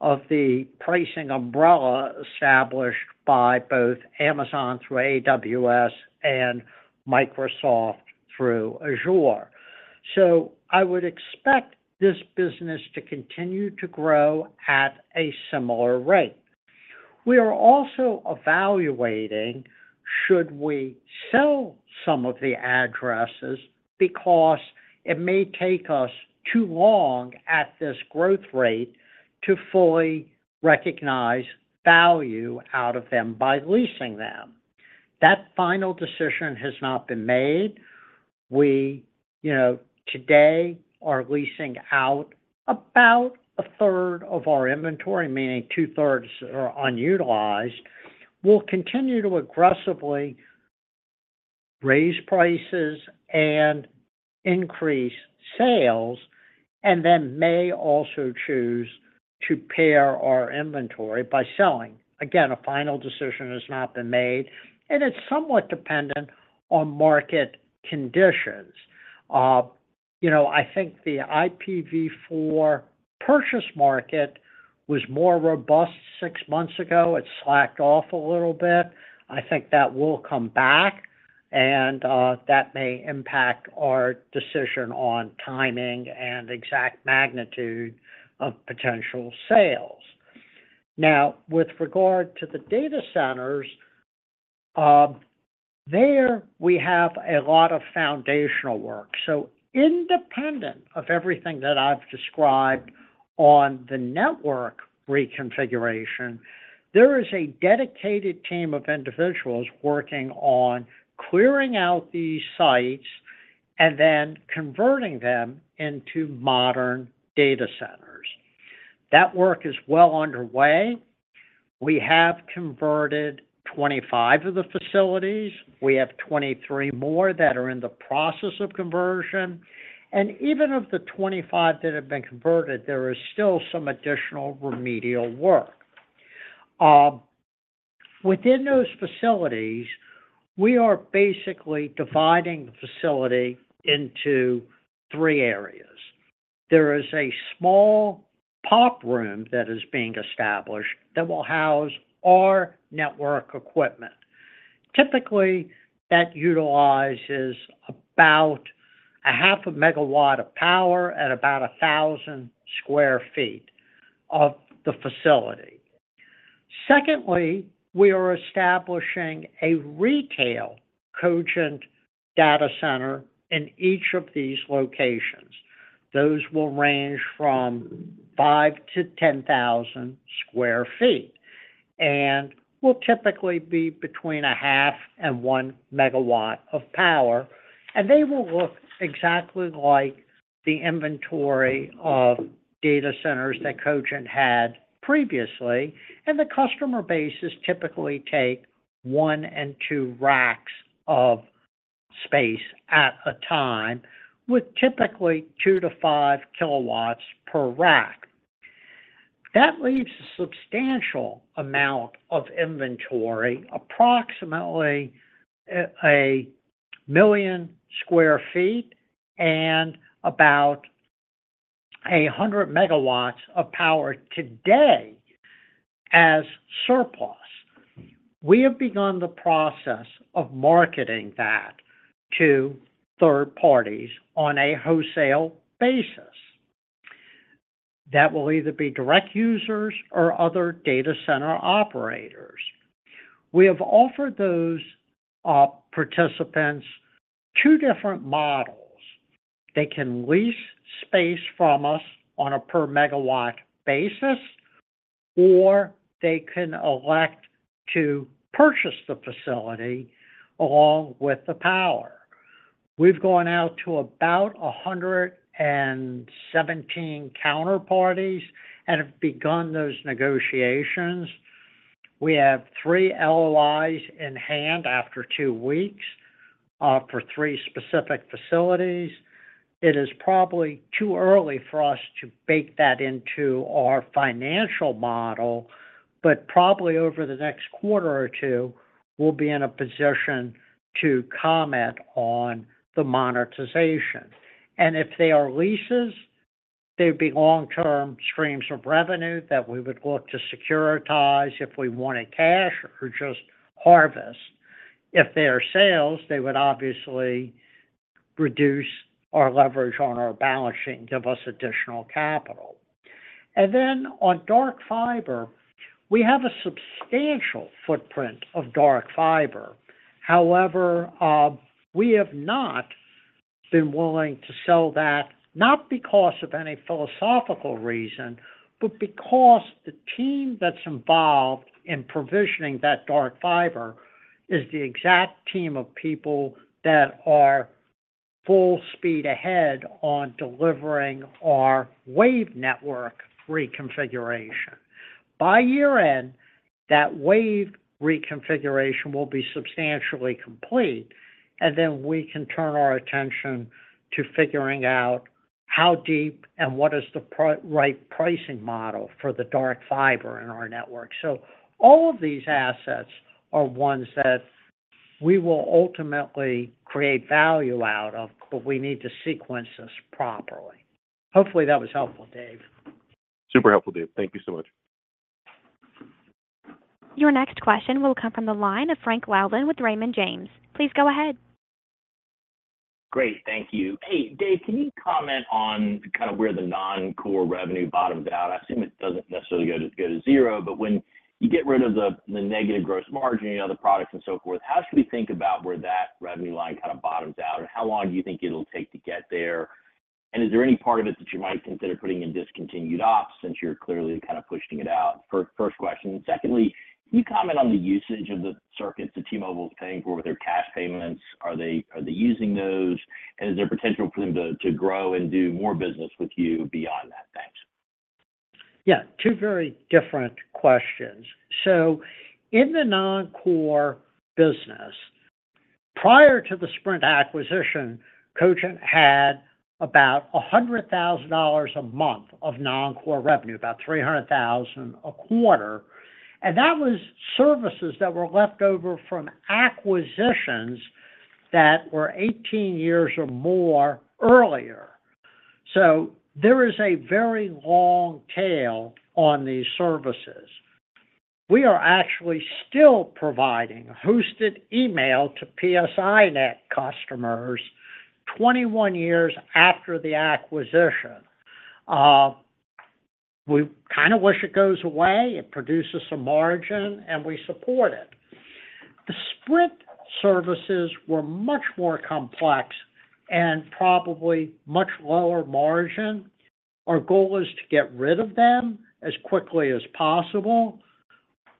of the pricing umbrella established by both Amazon through AWS and Microsoft through Azure. So I would expect this business to continue to grow at a similar rate. We are also evaluating should we sell some of the addresses because it may take us too long at this growth rate to fully recognize value out of them by leasing them. That final decision has not been made. Today, we are leasing out about a third of our inventory, meaning two-thirds are unutilized. We'll continue to aggressively raise prices and increase sales, and then may also choose to pair our inventory by selling. Again, a final decision has not been made, and it's somewhat dependent on market conditions. I think the IPv4 purchase market was more robust six months ago. It slacked off a little bit. I think that will come back, and that may impact our decision on timing and exact magnitude of potential sales. Now, with regard to the data centers, there, we have a lot of foundational work. Independent of everything that I've described on the network reconfiguration, there is a dedicated team of individuals working on clearing out these sites and then converting them into modern data centers. That work is well underway. We have converted 25 of the facilities. We have 23 more that are in the process of conversion. And even of the 25 that have been converted, there is still some additional remedial work. Within those facilities, we are basically dividing the facility into three areas. There is a small PoP room that is being established that will house our network equipment. Typically, that utilizes about a half a megawatt of power at about 1,000 sq ft of the facility. Secondly, we are establishing a retail Cogent data center in each of these locations. Those will range from 5,000 sq ft-10,000 sq ft and will typically be between 0.5 MW-1 MW of power. They will look exactly like the inventory of data centers that Cogent had previously. The customer bases typically take 1-2 racks of space at a time with typically 2 kW-5 kW per rack. That leaves a substantial amount of inventory, approximately 1 million sq ft and about 100 MW of power today as surplus. We have begun the process of marketing that to third parties on a wholesale basis. That will either be direct users or other data center operators. We have offered those participants two different models. They can lease space from us on a per megawatt basis, or they can elect to purchase the facility along with the power. We've gone out to about 117 counterparties and have begun those negotiations. We have three LOIs in hand after two weeks for three specific facilities. It is probably too early for us to bake that into our financial model, but probably over the next quarter or two, we'll be in a position to comment on the monetization. If they are leases, they'd be long-term streams of revenue that we would look to securitize if we wanted cash or just harvest. If they are sales, they would obviously reduce our leverage on our balance sheet, give us additional capital. Then on dark fiber, we have a substantial footprint of dark fiber. However, we have not been willing to sell that, not because of any philosophical reason, but because the team that's involved in provisioning that dark fiber is the exact team of people that are full speed ahead on delivering our wave network reconfiguration. By year-end, that wave reconfiguration will be substantially complete, and then we can turn our attention to figuring out how deep and what is the right pricing model for the dark fiber in our network. So all of these assets are ones that we will ultimately create value out of, but we need to sequence this properly. Hopefully, that was helpful, Dave. Super helpful, Dave. Thank you so much. Your next question will come from the line of Frank Louthan with Raymond James. Please go ahead. Great. Thank you. Hey, Dave, can you comment on kind of where the non-core revenue bottoms out? I assume it doesn't necessarily go to zero, but when you get rid of the negative gross margin and other products and so forth, how should we think about where that revenue line kind of bottoms out, and how long do you think it'll take to get there? And is there any part of it that you might consider putting in discontinued ops since you're clearly kind of pushing it out? First question. And secondly, can you comment on the usage of the circuits that T-Mobile is paying for with their cash payments? Are they using those? And is there potential for them to grow and do more business with you beyond that? Thanks. Yeah. Two very different questions. So in the non-core business, prior to the Sprint acquisition, Cogent had about $100,000 a month of non-core revenue, about $300,000 a quarter. That was services that were left over from acquisitions that were 18 years or more earlier. There is a very long tail on these services. We are actually still providing hosted email to PSINet customers 21 years after the acquisition. We kind of wish it goes away. It produces some margin, and we support it. The Sprint services were much more complex and probably much lower margin. Our goal is to get rid of them as quickly as possible.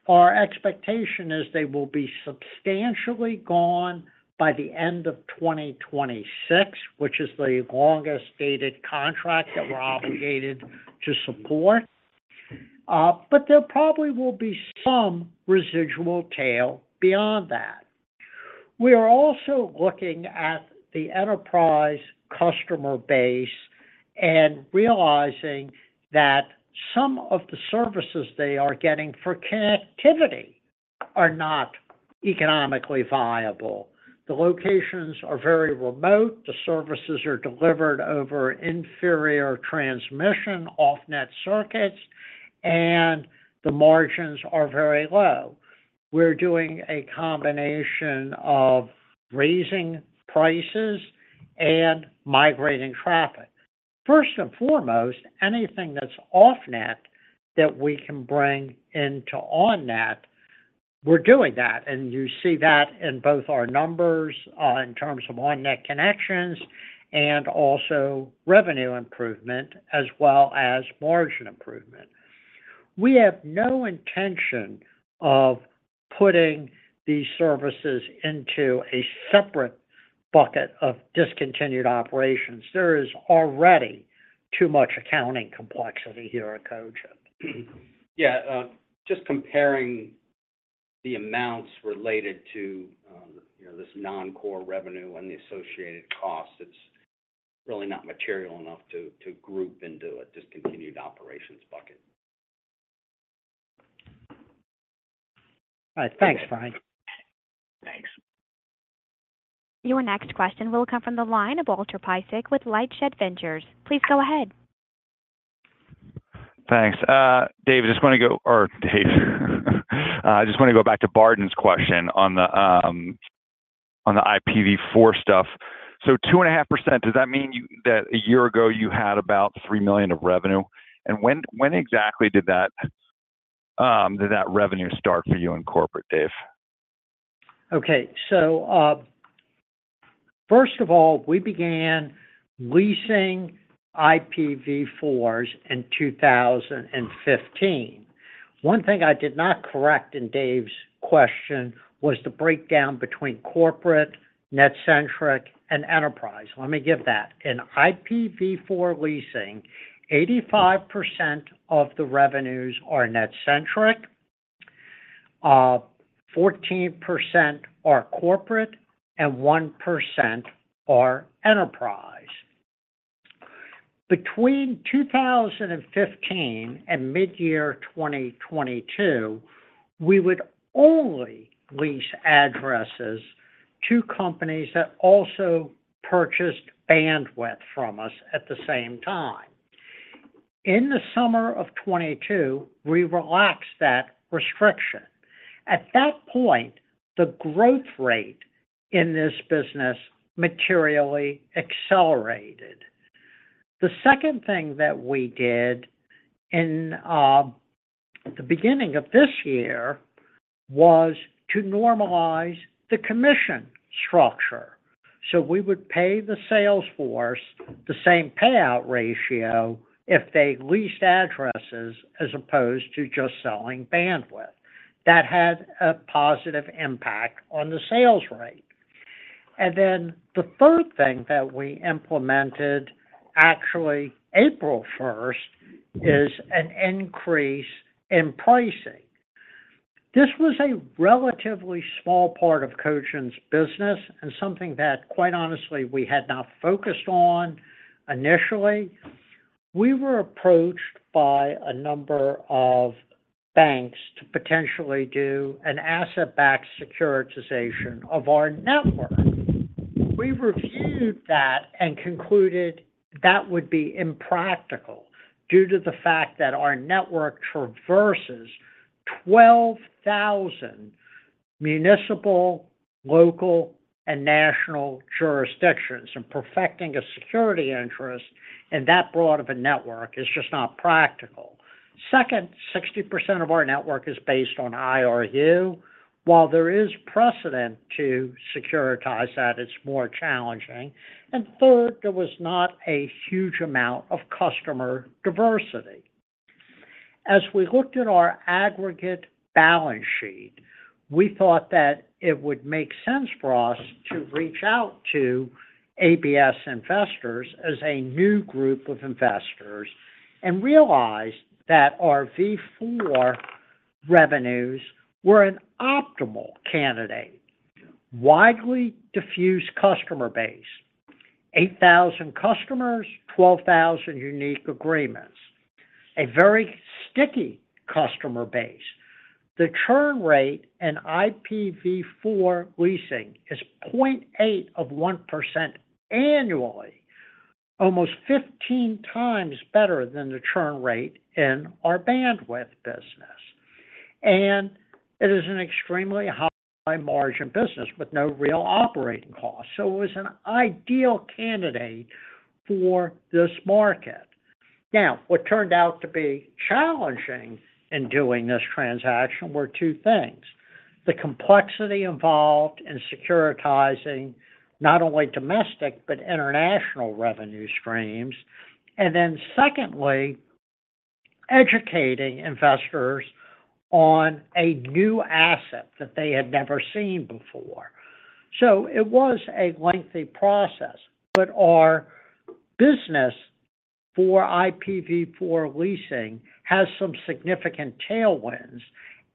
Our expectation is they will be substantially gone by the end of 2026, which is the longest dated contract that we're obligated to support. But there probably will be some residual tail beyond that. We are also looking at the enterprise customer base and realizing that some of the services they are getting for connectivity are not economically viable. The locations are very remote. The services are delivered over inferior transmission off-net circuits, and the margins are very low. We're doing a combination of raising prices and migrating traffic. First and foremost, anything that's off-net that we can bring into on-net, we're doing that. And you see that in both our numbers in terms of on-net connections and also revenue improvement as well as margin improvement. We have no intention of putting these services into a separate bucket of discontinued operations. There is already too much accounting complexity here at Cogent. Yeah. Just comparing the amounts related to this non-core revenue and the associated costs, it's really not material enough to group into a discontinued operations bucket. All right. Thanks, Brian. Thanks. Your next question will come from the line of Walter Piecyk with LightShed Ventures. Please go ahead. Thanks. Dave, I just want to go back to Barden's question on the IPv4 stuff. So 2.5%, does that mean that a year ago, you had about $3 million of revenue? And when exactly did that revenue start for you in corporate, Dave? Okay. So first of all, we began leasing IPv4s in 2015. One thing I did not correct in Dave's question was the breakdown between corporate, NetCentric, and enterprise. Let me give that. In IPv4 leasing, 85% of the revenues are NetCentric, 14% are corporate, and 1% are enterprise. Between 2015 and mid-year 2022, we would only lease addresses to companies that also purchased bandwidth from us at the same time. In the summer of 2022, we relaxed that restriction. At that point, the growth rate in this business materially accelerated. The second thing that we did in the beginning of this year was to normalize the commission structure. So we would pay the sales force the same payout ratio if they leased addresses as opposed to just selling bandwidth. That had a positive impact on the sales rate. And then the third thing that we implemented, actually April 1st, is an increase in pricing. This was a relatively small part of Cogent's business and something that, quite honestly, we had not focused on initially. We were approached by a number of banks to potentially do an asset-backed securitization of our network. We reviewed that and concluded that would be impractical due to the fact that our network traverses 12,000 municipal, local, and national jurisdictions. And perfecting a security interest in that broad of a network is just not practical. Second, 60% of our network is based on IRU. While there is precedent to securitize that, it's more challenging. And third, there was not a huge amount of customer diversity. As we looked at our aggregate balance sheet, we thought that it would make sense for us to reach out to ABS investors as a new group of investors and realized that our IPv4 revenues were an optimal candidate: widely diffused customer base, 8,000 customers, 12,000 unique agreements, a very sticky customer base. The churn rate in IPv4 leasing is 0.8% annually, almost 15 times better than the churn rate in our bandwidth business. And it is an extremely high-margin business with no real operating costs. So it was an ideal candidate for this market. Now, what turned out to be challenging in doing this transaction were two things: the complexity involved in securitizing not only domestic but international revenue streams, and then secondly, educating investors on a new asset that they had never seen before. So it was a lengthy process. But our business for IPv4 leasing has some significant tailwinds.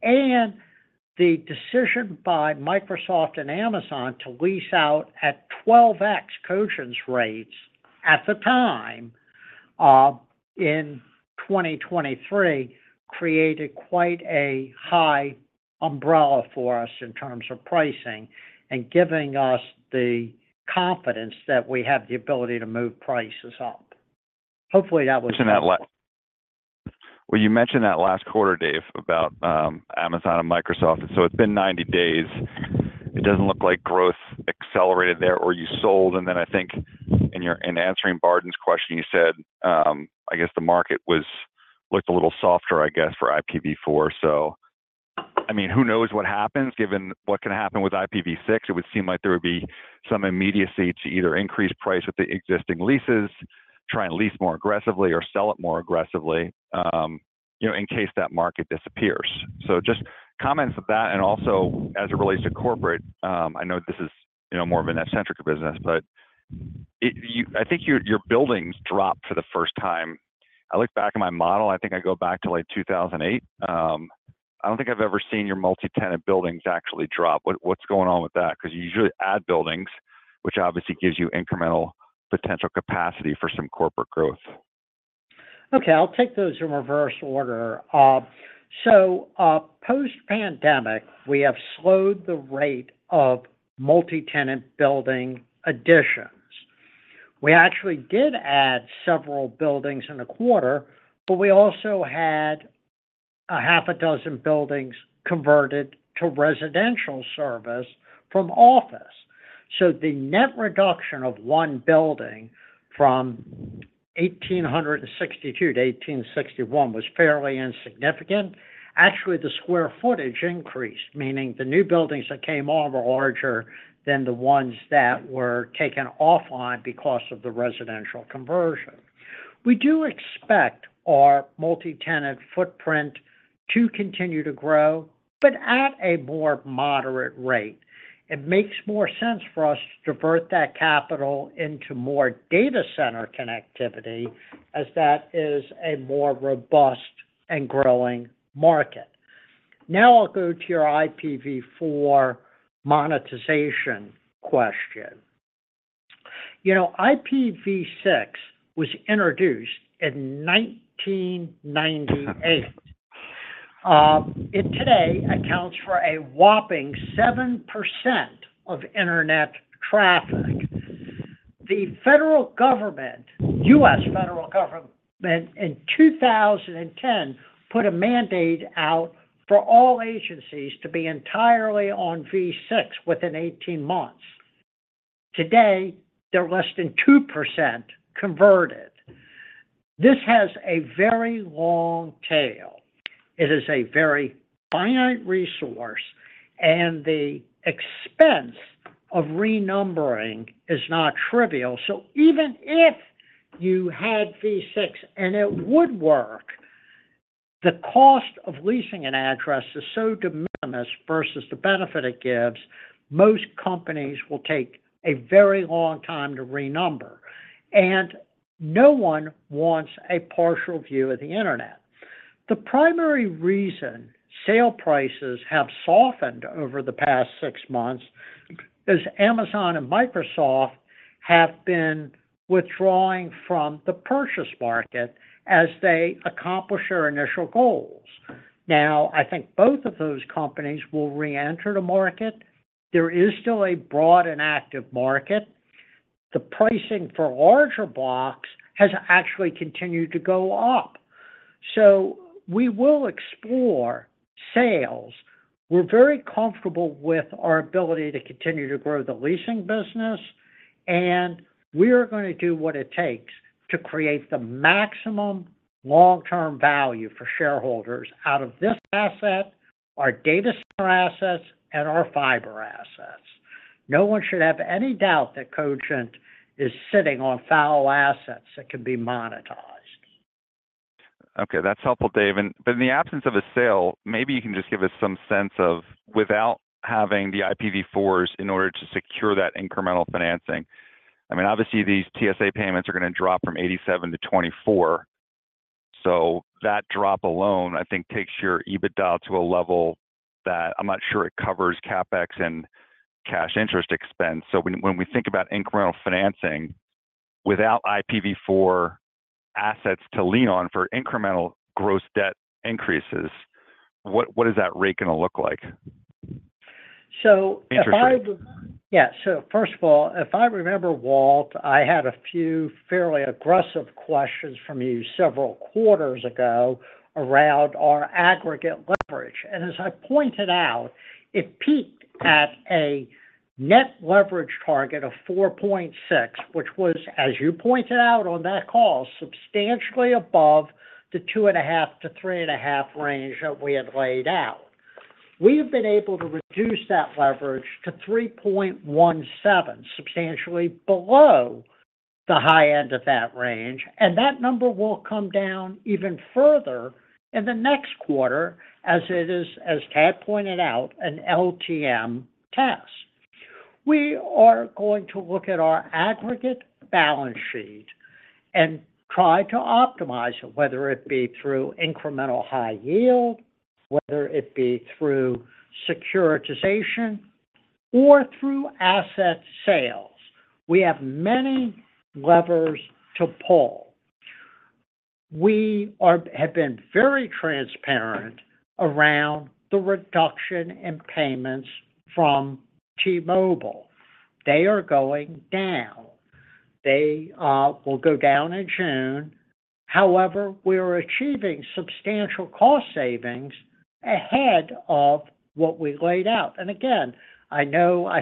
And the decision by Microsoft and Amazon to lease out at 12x Cogent's rates at the time in 2023 created quite a high umbrella for us in terms of pricing and giving us the confidence that we have the ability to move prices up. Hopefully, that was. Well, you mentioned that last quarter, Dave, about Amazon and Microsoft. And so it's been 90 days. It doesn't look like growth accelerated there, or you sold. And then I think in answering Barden's question, you said, I guess, the market looked a little softer, I guess, for IPv4. So I mean, who knows what happens? Given what can happen with IPv6, it would seem like there would be some immediacy to either increase price with the existing leases, try and lease more aggressively, or sell it more aggressively in case that market disappears. So just comments of that. And also as it relates to corporate, I know this is more of a NetCentric business, but I think your buildings dropped for the first time. I look back at my model. I think I go back to like 2008. I don't think I've ever seen your multi-tenant buildings actually drop. What's going on with that? Because you usually add buildings, which obviously gives you incremental potential capacity for some corporate growth. Okay. I'll take those in reverse order. So post-pandemic, we have slowed the rate of multi-tenant building additions. We actually did add several buildings in a quarter, but we also had a half a dozen buildings converted to residential service from office. So the net reduction of 1 building from 1862 to 1861 was fairly insignificant. Actually, the square footage increased, meaning the new buildings that came on were larger than the ones that were taken offline because of the residential conversion. We do expect our multi-tenant footprint to continue to grow, but at a more moderate rate. It makes more sense for us to divert that capital into more data center connectivity as that is a more robust and growing market. Now I'll go to your IPv4 monetization question. IPv6 was introduced in 1998. It today accounts for a whopping 7% of internet traffic. The U.S. federal government in 2010 put a mandate out for all agencies to be entirely on V6 within 18 months. Today, they're less than 2% converted. This has a very long tail. It is a very finite resource, and the expense of renumbering is not trivial. So even if you had V6 and it would work, the cost of leasing an address is so de minimis versus the benefit it gives, most companies will take a very long time to renumber. And no one wants a partial view of the internet. The primary reason sale prices have softened over the past 6 months is Amazon and Microsoft have been withdrawing from the purchase market as they accomplish their initial goals. Now, I think both of those companies will reenter the market. There is still a broad and active market. The pricing for larger blocks has actually continued to go up. We will explore sales. We're very comfortable with our ability to continue to grow the leasing business, and we are going to do what it takes to create the maximum long-term value for shareholders out of this asset, our data center assets, and our fiber assets. No one should have any doubt that Cogent is sitting on valuable assets that can be monetized. Okay. That's helpful, Dave. And but in the absence of a sale, maybe you can just give us some sense of without having the IPv4s in order to secure that incremental financing. I mean, obviously, these TSA payments are going to drop from $87-$24. So that drop alone, I think, takes your EBITDA to a level that I'm not sure it covers CapEx and cash interest expense. So when we think about incremental financing without IPv4 assets to lean on for incremental gross debt increases, what is that rate going to look like? So if I remember. Yeah. So first of all, if I remember well, I had a few fairly aggressive questions from you several quarters ago around our aggregate leverage. And as I pointed out, it peaked at a net leverage target of 4.6, which was, as you pointed out on that call, substantially above the 2.5-3.5 range that we had laid out. We have been able to reduce that leverage to 3.17, substantially below the high end of that range. And that number will come down even further in the next quarter as it is, as Tad pointed out, an LTM test. We are going to look at our aggregate balance sheet and try to optimize it, whether it be through incremental high yield, whether it be through securitization, or through asset sales. We have many levers to pull. We have been very transparent around the reduction in payments from T-Mobile. They are going down. They will go down in June. However, we are achieving substantial cost savings ahead of what we laid out. And again, I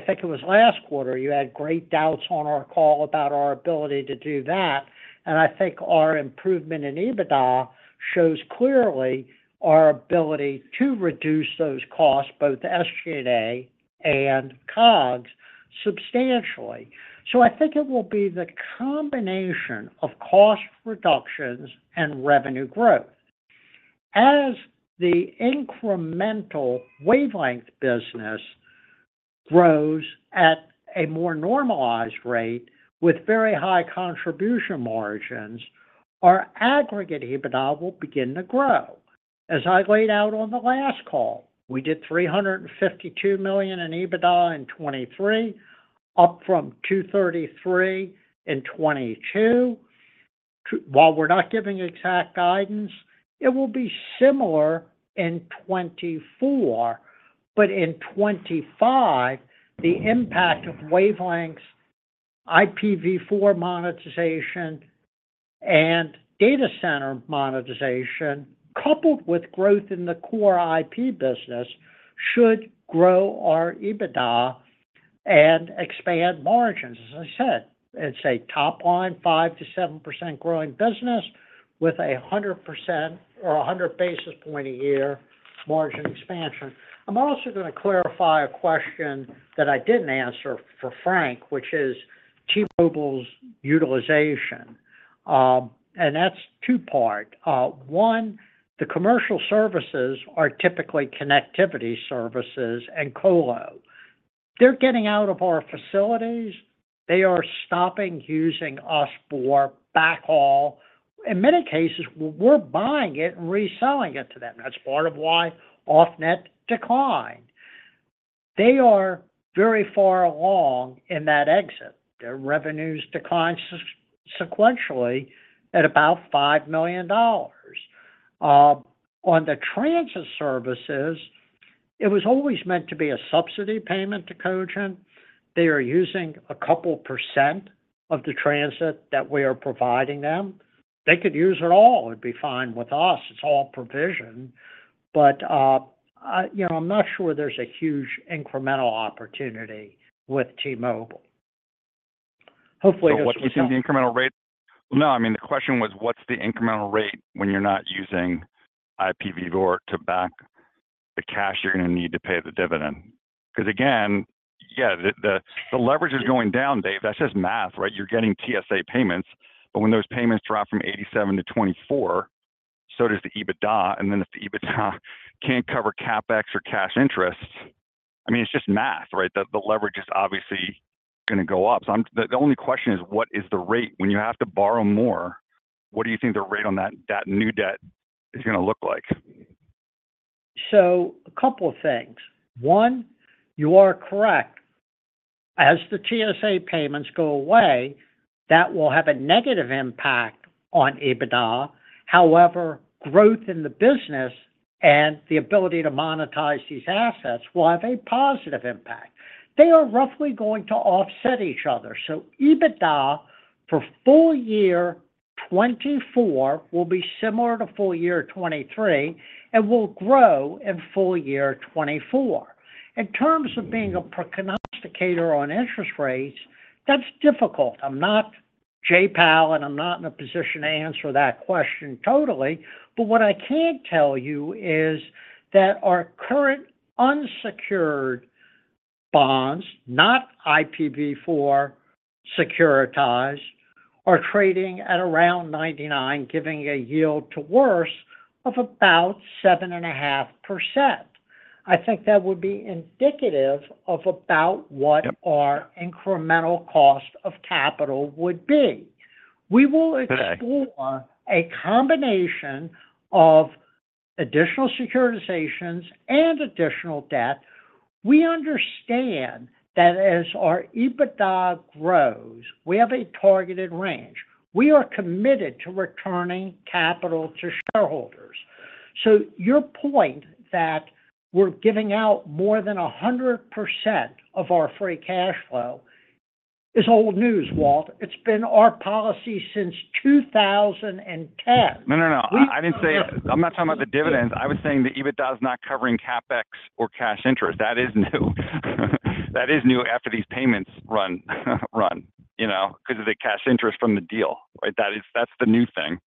think it was last quarter you had great doubts on our call about our ability to do that. And I think our improvement in EBITDA shows clearly our ability to reduce those costs, both SG&A and COGS, substantially. So I think it will be the combination of cost reductions and revenue growth. As the incremental wavelength business grows at a more normalized rate with very high contribution margins, our aggregate EBITDA will begin to grow. As I laid out on the last call, we did $352 million in EBITDA in 2023, up from $233 million in 2022. While we're not giving exact guidance, it will be similar in 2024. But in 2025, the impact of wavelengths IPv4 monetization and data center monetization, coupled with growth in the core IP business, should grow our EBITDA and expand margins. As I said, it's a top-line 5%-7% growing business with a 100 basis point a year margin expansion. I'm also going to clarify a question that I didn't answer for Frank, which is T-Mobile's utilization. And that's two-part. One, the commercial services are typically connectivity services and colo. They're getting out of our facilities. They are stopping using us for backhaul. In many cases, we're buying it and reselling it to them. That's part of why off-net declined. They are very far along in that exit. Their revenues decline sequentially at about $5 million. On the transit services, it was always meant to be a subsidy payment to Cogent. They are using a couple percent of the transit that we are providing them. They could use it all. It'd be fine with us. It's all provision. But I'm not sure there's a huge incremental opportunity with T-Mobile. Hopefully, this will. What do you think the incremental rate? Well, no. I mean, the question was, what's the incremental rate when you're not using IPv4 to back the cash you're going to need to pay the dividend? Because again, yeah, the leverage is going down, Dave. That's just math, right? You're getting TSA payments. But when those payments drop from $87 million to $24 million, so does the EBITDA. And then if the EBITDA can't cover CapEx or cash interest, I mean, it's just math, right? The leverage is obviously going to go up. So the only question is, what is the rate? When you have to borrow more, what do you think the rate on that new debt is going to look like? So a couple of things. One, you are correct. As the TSA payments go away, that will have a negative impact on EBITDA. However, growth in the business and the ability to monetize these assets will have a positive impact. They are roughly going to offset each other. So EBITDA for full year 2024 will be similar to full year 2023 and will grow in full year 2024. In terms of being a prognosticator on interest rates, that's difficult. I'm not Jay Powell, and I'm not in a position to answer that question totally. But what I can tell you is that our current unsecured bonds, not IPv4 securitized, are trading at around 99, giving a yield to worst of about 7.5%. I think that would be indicative of about what our incremental cost of capital would be. We will explore a combination of additional securitizations and additional debt. We understand that as our EBITDA grows, we have a targeted range. We are committed to returning capital to shareholders. So your point that we're giving out more than 100% of our free cash flow is old news, Walt. It's been our policy since 2010. No, no, no. I didn't say I'm not talking about the dividends. I was saying the EBITDA is not covering CapEx or cash interest. That is new. That is new after these payments run because of the cash interest from the deal, right? That's the new thing.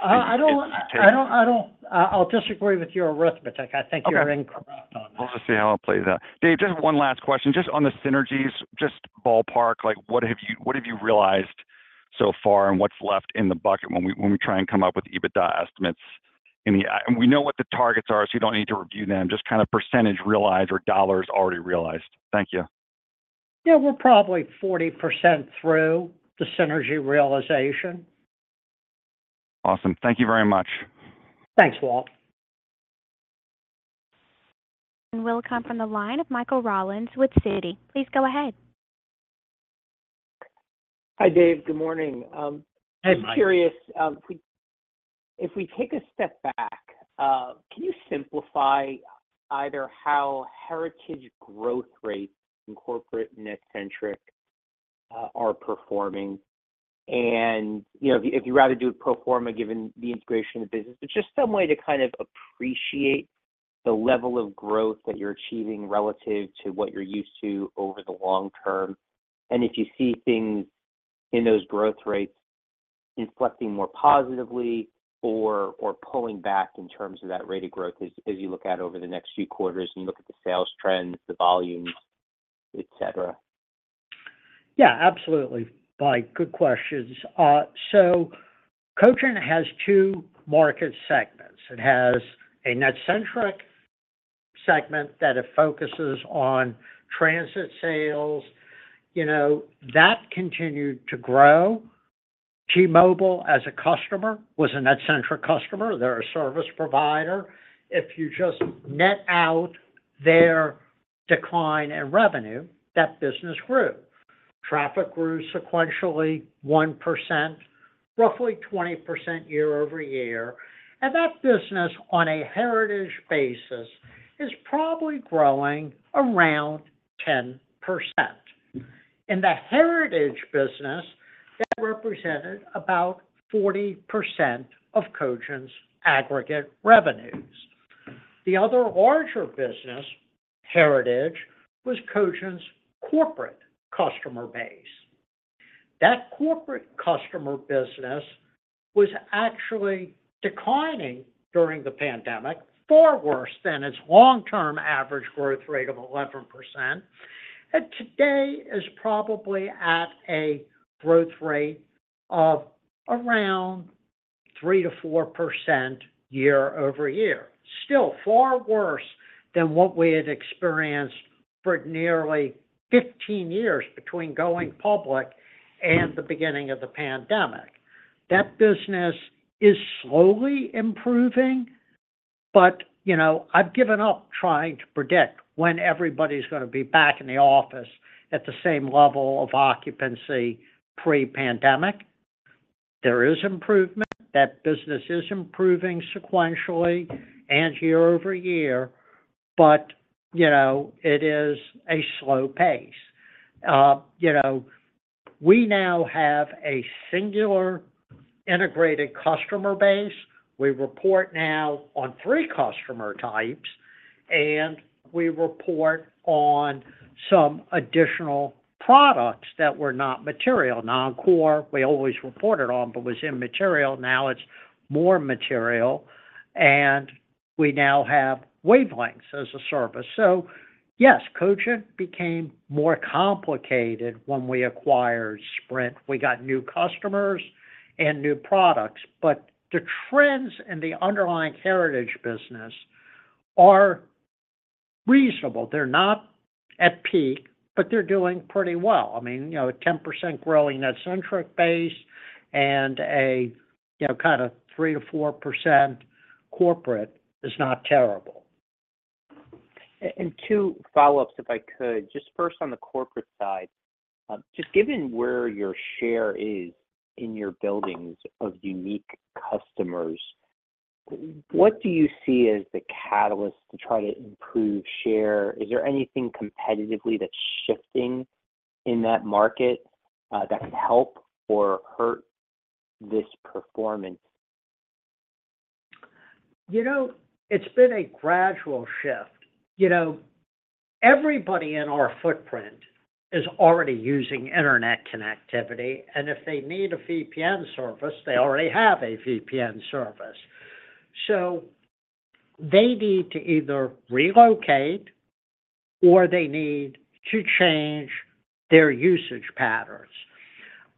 I don't want to. I'll disagree with your arithmetic. I think you're incorrect on that. We'll just see how it plays out. Dave, just one last question. Just on the synergies, just ballpark, what have you realized so far and what's left in the bucket when we try and come up with EBITDA estimates? And we know what the targets are, so you don't need to review them. Just kind of percentage realized or dollars already realized. Thank you. Yeah. We're probably 40% through the synergy realization. Awesome. Thank you very much. Thanks, Walt. We'll come from the line of Michael Rollins with Citi. Please go ahead. Hi, Dave. Good morning. Hey, Mike. I'm curious. If we take a step back, can you simplify either how heritage growth rates in corporate and NetCentric are performing? And if you'd rather do it pro forma given the integration of the business, but just some way to kind of appreciate the level of growth that you're achieving relative to what you're used to over the long term? And if you see things in those growth rates inflecting more positively or pulling back in terms of that rate of growth as you look at over the next few quarters and you look at the sales trends, the volumes, etc.? Yeah, absolutely, Mike. Good questions. So Cogent has two market segments. It has a NetCentric segment that focuses on transit sales. That continued to grow. T-Mobile, as a customer, was a NetCentric customer. They're a service provider. If you just net out their decline in revenue, that business grew. Traffic grew sequentially 1%, roughly 20% year-over-year. And that business, on a heritage basis, is probably growing around 10%. In the heritage business, that represented about 40% of Cogent's aggregate revenues. The other larger business, heritage, was Cogent's corporate customer base. That corporate customer business was actually declining during the pandemic far worse than its long-term average growth rate of 11%. Today is probably at a growth rate of around 3%-4% year-over-year, still far worse than what we had experienced for nearly 15 years between going public and the beginning of the pandemic. That business is slowly improving, but I've given up trying to predict when everybody's going to be back in the office at the same level of occupancy pre-pandemic. There is improvement. That business is improving sequentially and year-over-year, but it is a slow pace. We now have a singular integrated customer base. We report now on three customer types, and we report on some additional products that were not material, non-core. We always reported on but was immaterial. Now it's more material. And we now have wavelengths as a service. So yes, Cogent became more complicated when we acquired Sprint. We got new customers and new products. But the trends in the underlying heritage business are reasonable. They're not at peak, but they're doing pretty well. I mean, a 10% growing NetCentric base and a kind of 3%-4% corporate is not terrible. And two follow-ups, if I could. Just first on the corporate side, just given where your share is in your buildings of unique customers, what do you see as the catalyst to try to improve share? Is there anything competitively that's shifting in that market that could help or hurt this performance? It's been a gradual shift. Everybody in our footprint is already using internet connectivity. And if they need a VPN service, they already have a VPN service. So they need to either relocate or they need to change their usage patterns.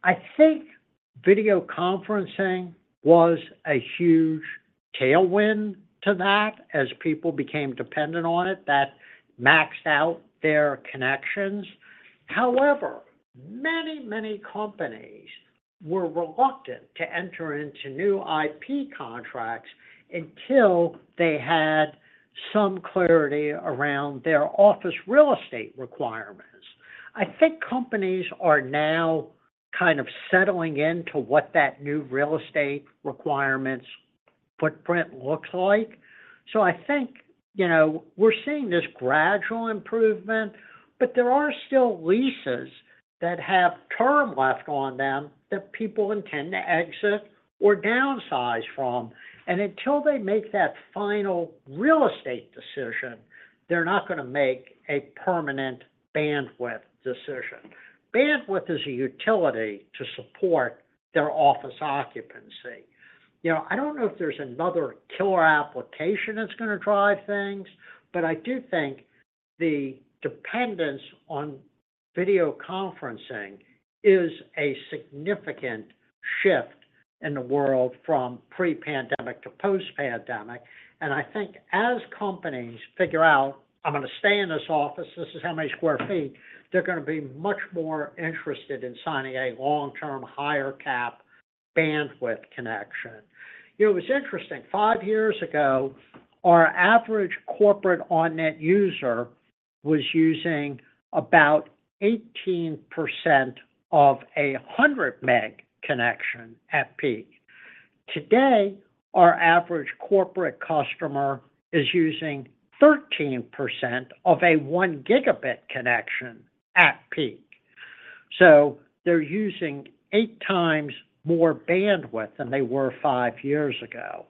I think video conferencing was a huge tailwind to that as people became dependent on it. That maxed out their connections. However, many, many companies were reluctant to enter into new IP contracts until they had some clarity around their office real estate requirements. I think companies are now kind of settling into what that new real estate requirements footprint looks like. So I think we're seeing this gradual improvement, but there are still leases that have term left on them that people intend to exit or downsize from. And until they make that final real estate decision, they're not going to make a permanent bandwidth decision. Bandwidth is a utility to support their office occupancy. I don't know if there's another killer application that's going to drive things, but I do think the dependence on video conferencing is a significant shift in the world from pre-pandemic to post-pandemic. And I think as companies figure out, "I'm going to stay in this office. This is how many sq ft," they're going to be much more interested in signing a long-term higher-cap bandwidth connection. It was interesting. 5 years ago, our average corporate on-net user was using about 18% of a 100-Mbps connection at peak. Today, our average corporate customer is using 13% of a 1-Gbps connection at peak. So they're using 8 times more bandwidth than they were 5 years ago.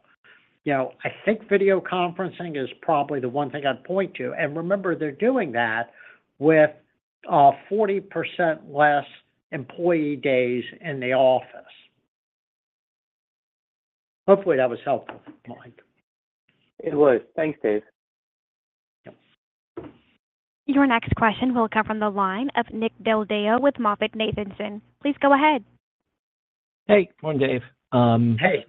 I think video conferencing is probably the one thing I'd point to. And remember, they're doing that with 40% less employee days in the office. Hopefully, that was helpful, Mike. It was. Thanks, Dave. Your next question will come from the line of Nick Del Deo with MoffettNathanson. Please go ahead. Hey. Morning, Dave. Hey.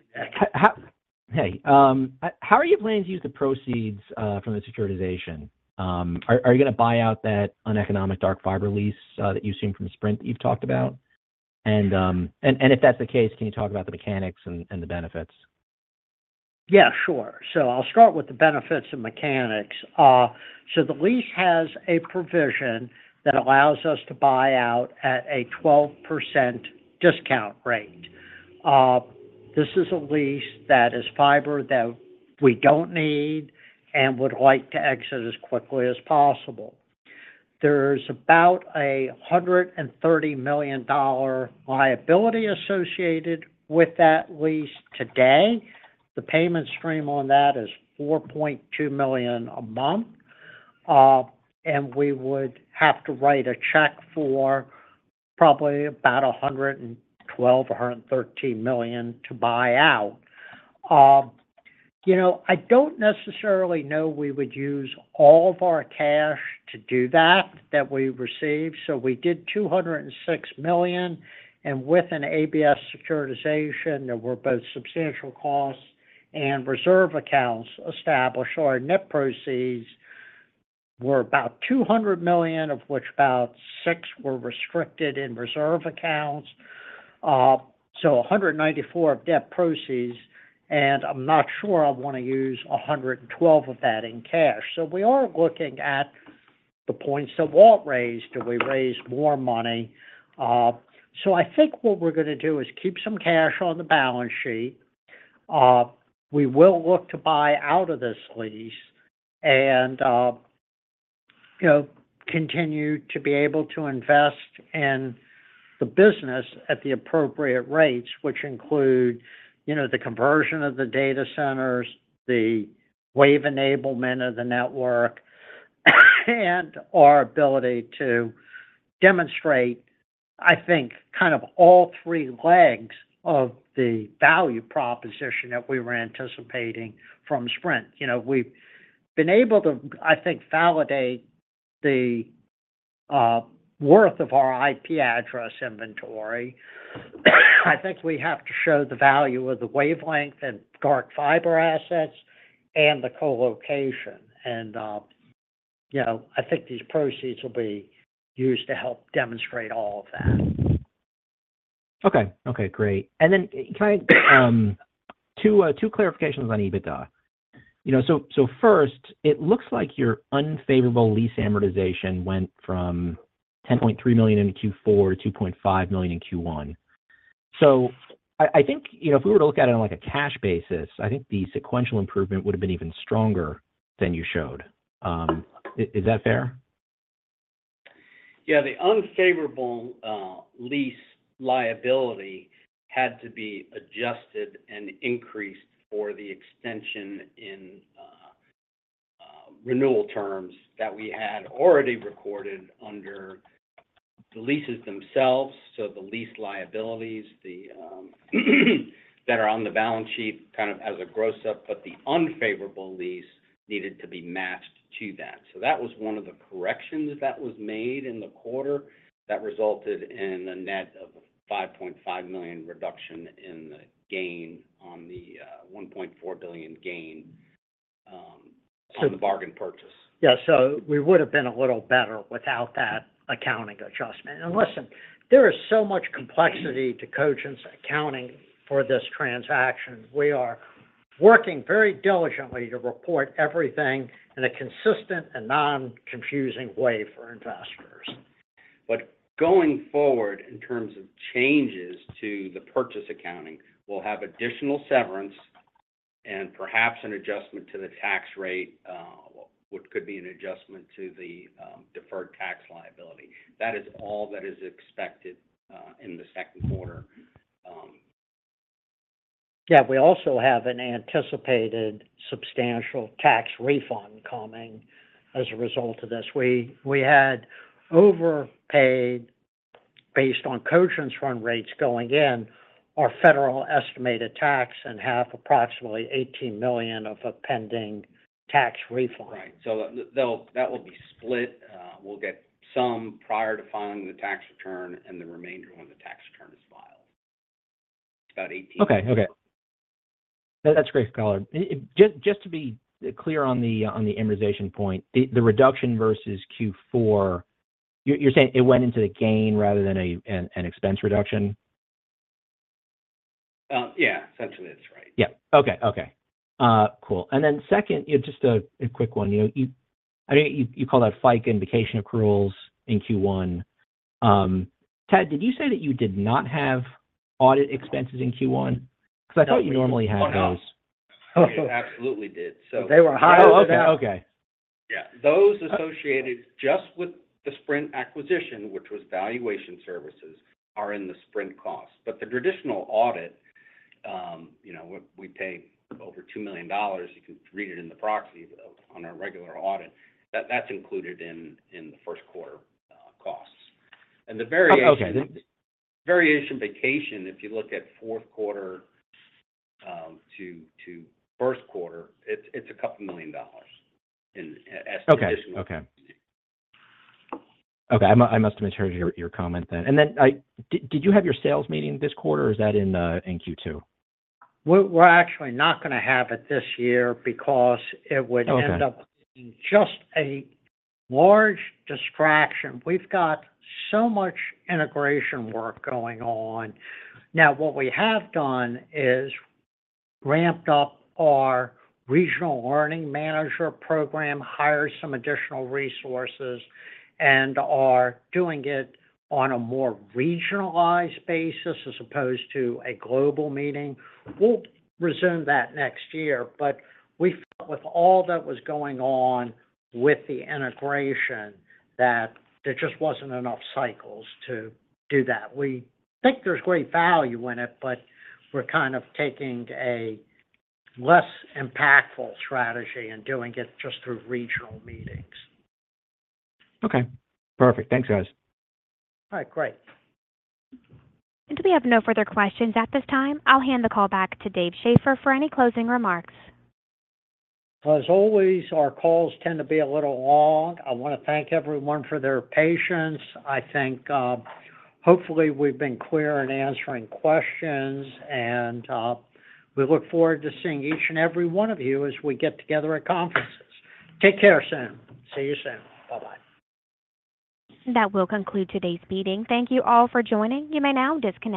Hey. How are you planning to use the proceeds from the securitization? Are you going to buy out that uneconomic dark fiber lease that you've seen from Sprint that you've talked about? And if that's the case, can you talk about the mechanics and the benefits? Yeah, sure. So I'll start with the benefits and mechanics. So the lease has a provision that allows us to buy out at a 12% discount rate. This is a lease that is fiber that we don't need and would like to exit as quickly as possible. There's about a $130 million liability associated with that lease today. The payment stream on that is $4.2 million a month. We would have to write a check for probably about $112-$113 million to buy out. I don't necessarily know we would use all of our cash to do that that we receive. We did $206 million. With an ABS securitization, there were both substantial costs and reserve accounts established. Our net proceeds were about $200 million, of which about $6 million were restricted in reserve accounts. So $194 million of net proceeds. I'm not sure I want to use $112 million of that in cash. We are looking at the points that Walt raised. Do we raise more money? I think what we're going to do is keep some cash on the balance sheet. We will look to buy out of this lease and continue to be able to invest in the business at the appropriate rates, which include the conversion of the data centers, the wave enablement of the network, and our ability to demonstrate, I think, kind of all three legs of the value proposition that we were anticipating from Sprint. We've been able to, I think, validate the worth of our IP address inventory. I think we have to show the value of the wavelength and dark fiber assets and the colocation. And I think these proceeds will be used to help demonstrate all of that. Okay. Okay. Great. And then two clarifications on EBITDA. So first, it looks like your unfavorable lease amortization went from $10.3 million in Q4 to $2.5 million in Q1. So I think if we were to look at it on a cash basis, I think the sequential improvement would have been even stronger than you showed. Is that fair? Yeah. The unfavorable lease liability had to be adjusted and increased for the extension in renewal terms that we had already recorded under the leases themselves. So the lease liabilities that are on the balance sheet kind of as a gross up, but the unfavorable lease needed to be matched to that. So that was one of the corrections that was made in the quarter that resulted in a net of a $5.5 million reduction in the gain on the $1.4 billion gain on the bargain purchase. Yeah. So we would have been a little better without that accounting adjustment. And listen, there is so much complexity to Cogent's accounting for this transaction. We are working very diligently to report everything in a consistent and non-confusing way for investors. But going forward, in terms of changes to the purchase accounting, we'll have additional severance and perhaps an adjustment to the tax rate, which could be an adjustment to the deferred tax liability. That is all that is expected in the second quarter. Yeah. We also have an anticipated substantial tax refund coming as a result of this. We had overpaid, based on Cogent's run rates going in, our federal estimated tax and have approximately $18 million of a pending tax refund. Right. So that will be split. We'll get some prior to filing the tax return and the remainder when the tax return is filed. It's about $18 million. Okay. Okay. That's great, color. Just to be clear on the amortization point, the reduction versus Q4, you're saying it went into the gain rather than an expense reduction? Yeah. Essentially, that's right. Yeah. Okay. Okay. Cool. And then second, just a quick one. I know you call that FICA and vacation accruals in Q1. Tad, did you say that you did not have audit expenses in Q1? Because I thought you normally had those. Oh, yeah. Absolutely did. So they were high. Oh, okay. Yeah. Those associated just with the Sprint acquisition, which was valuation services, are in the Sprint costs. But the traditional audit, we pay over $2 million. You can read it in the proxy on our regular audit. That's included in the first quarter costs. And the variation vacation, if you look at fourth quarter to first quarter, it's a couple million dollars as traditional. Okay. I must have misheard your comment then. Then did you have your sales meeting this quarter, or is that in Q2? We're actually not going to have it this year because it would end up being just a large distraction. We've got so much integration work going on. Now, what we have done is ramped up our regional learning manager program, hired some additional resources, and are doing it on a more regionalized basis as opposed to a global meeting. We'll resume that next year. But we felt with all that was going on with the integration, that there just wasn't enough cycles to do that. We think there's great value in it, but we're kind of taking a less impactful strategy and doing it just through regional meetings. Okay. Perfect. Thanks, guys. All right. Great. And so we have no further questions at this time. I'll hand the call back to Dave Schaeffer for any closing remarks. As always, our calls tend to be a little long. I want to thank everyone for their patience. I think hopefully, we've been clear in answering questions. We look forward to seeing each and every one of you as we get together at conferences. Take care soon. See you soon. Bye-bye. That will conclude today's meeting. Thank you all for joining. You may now disconnect.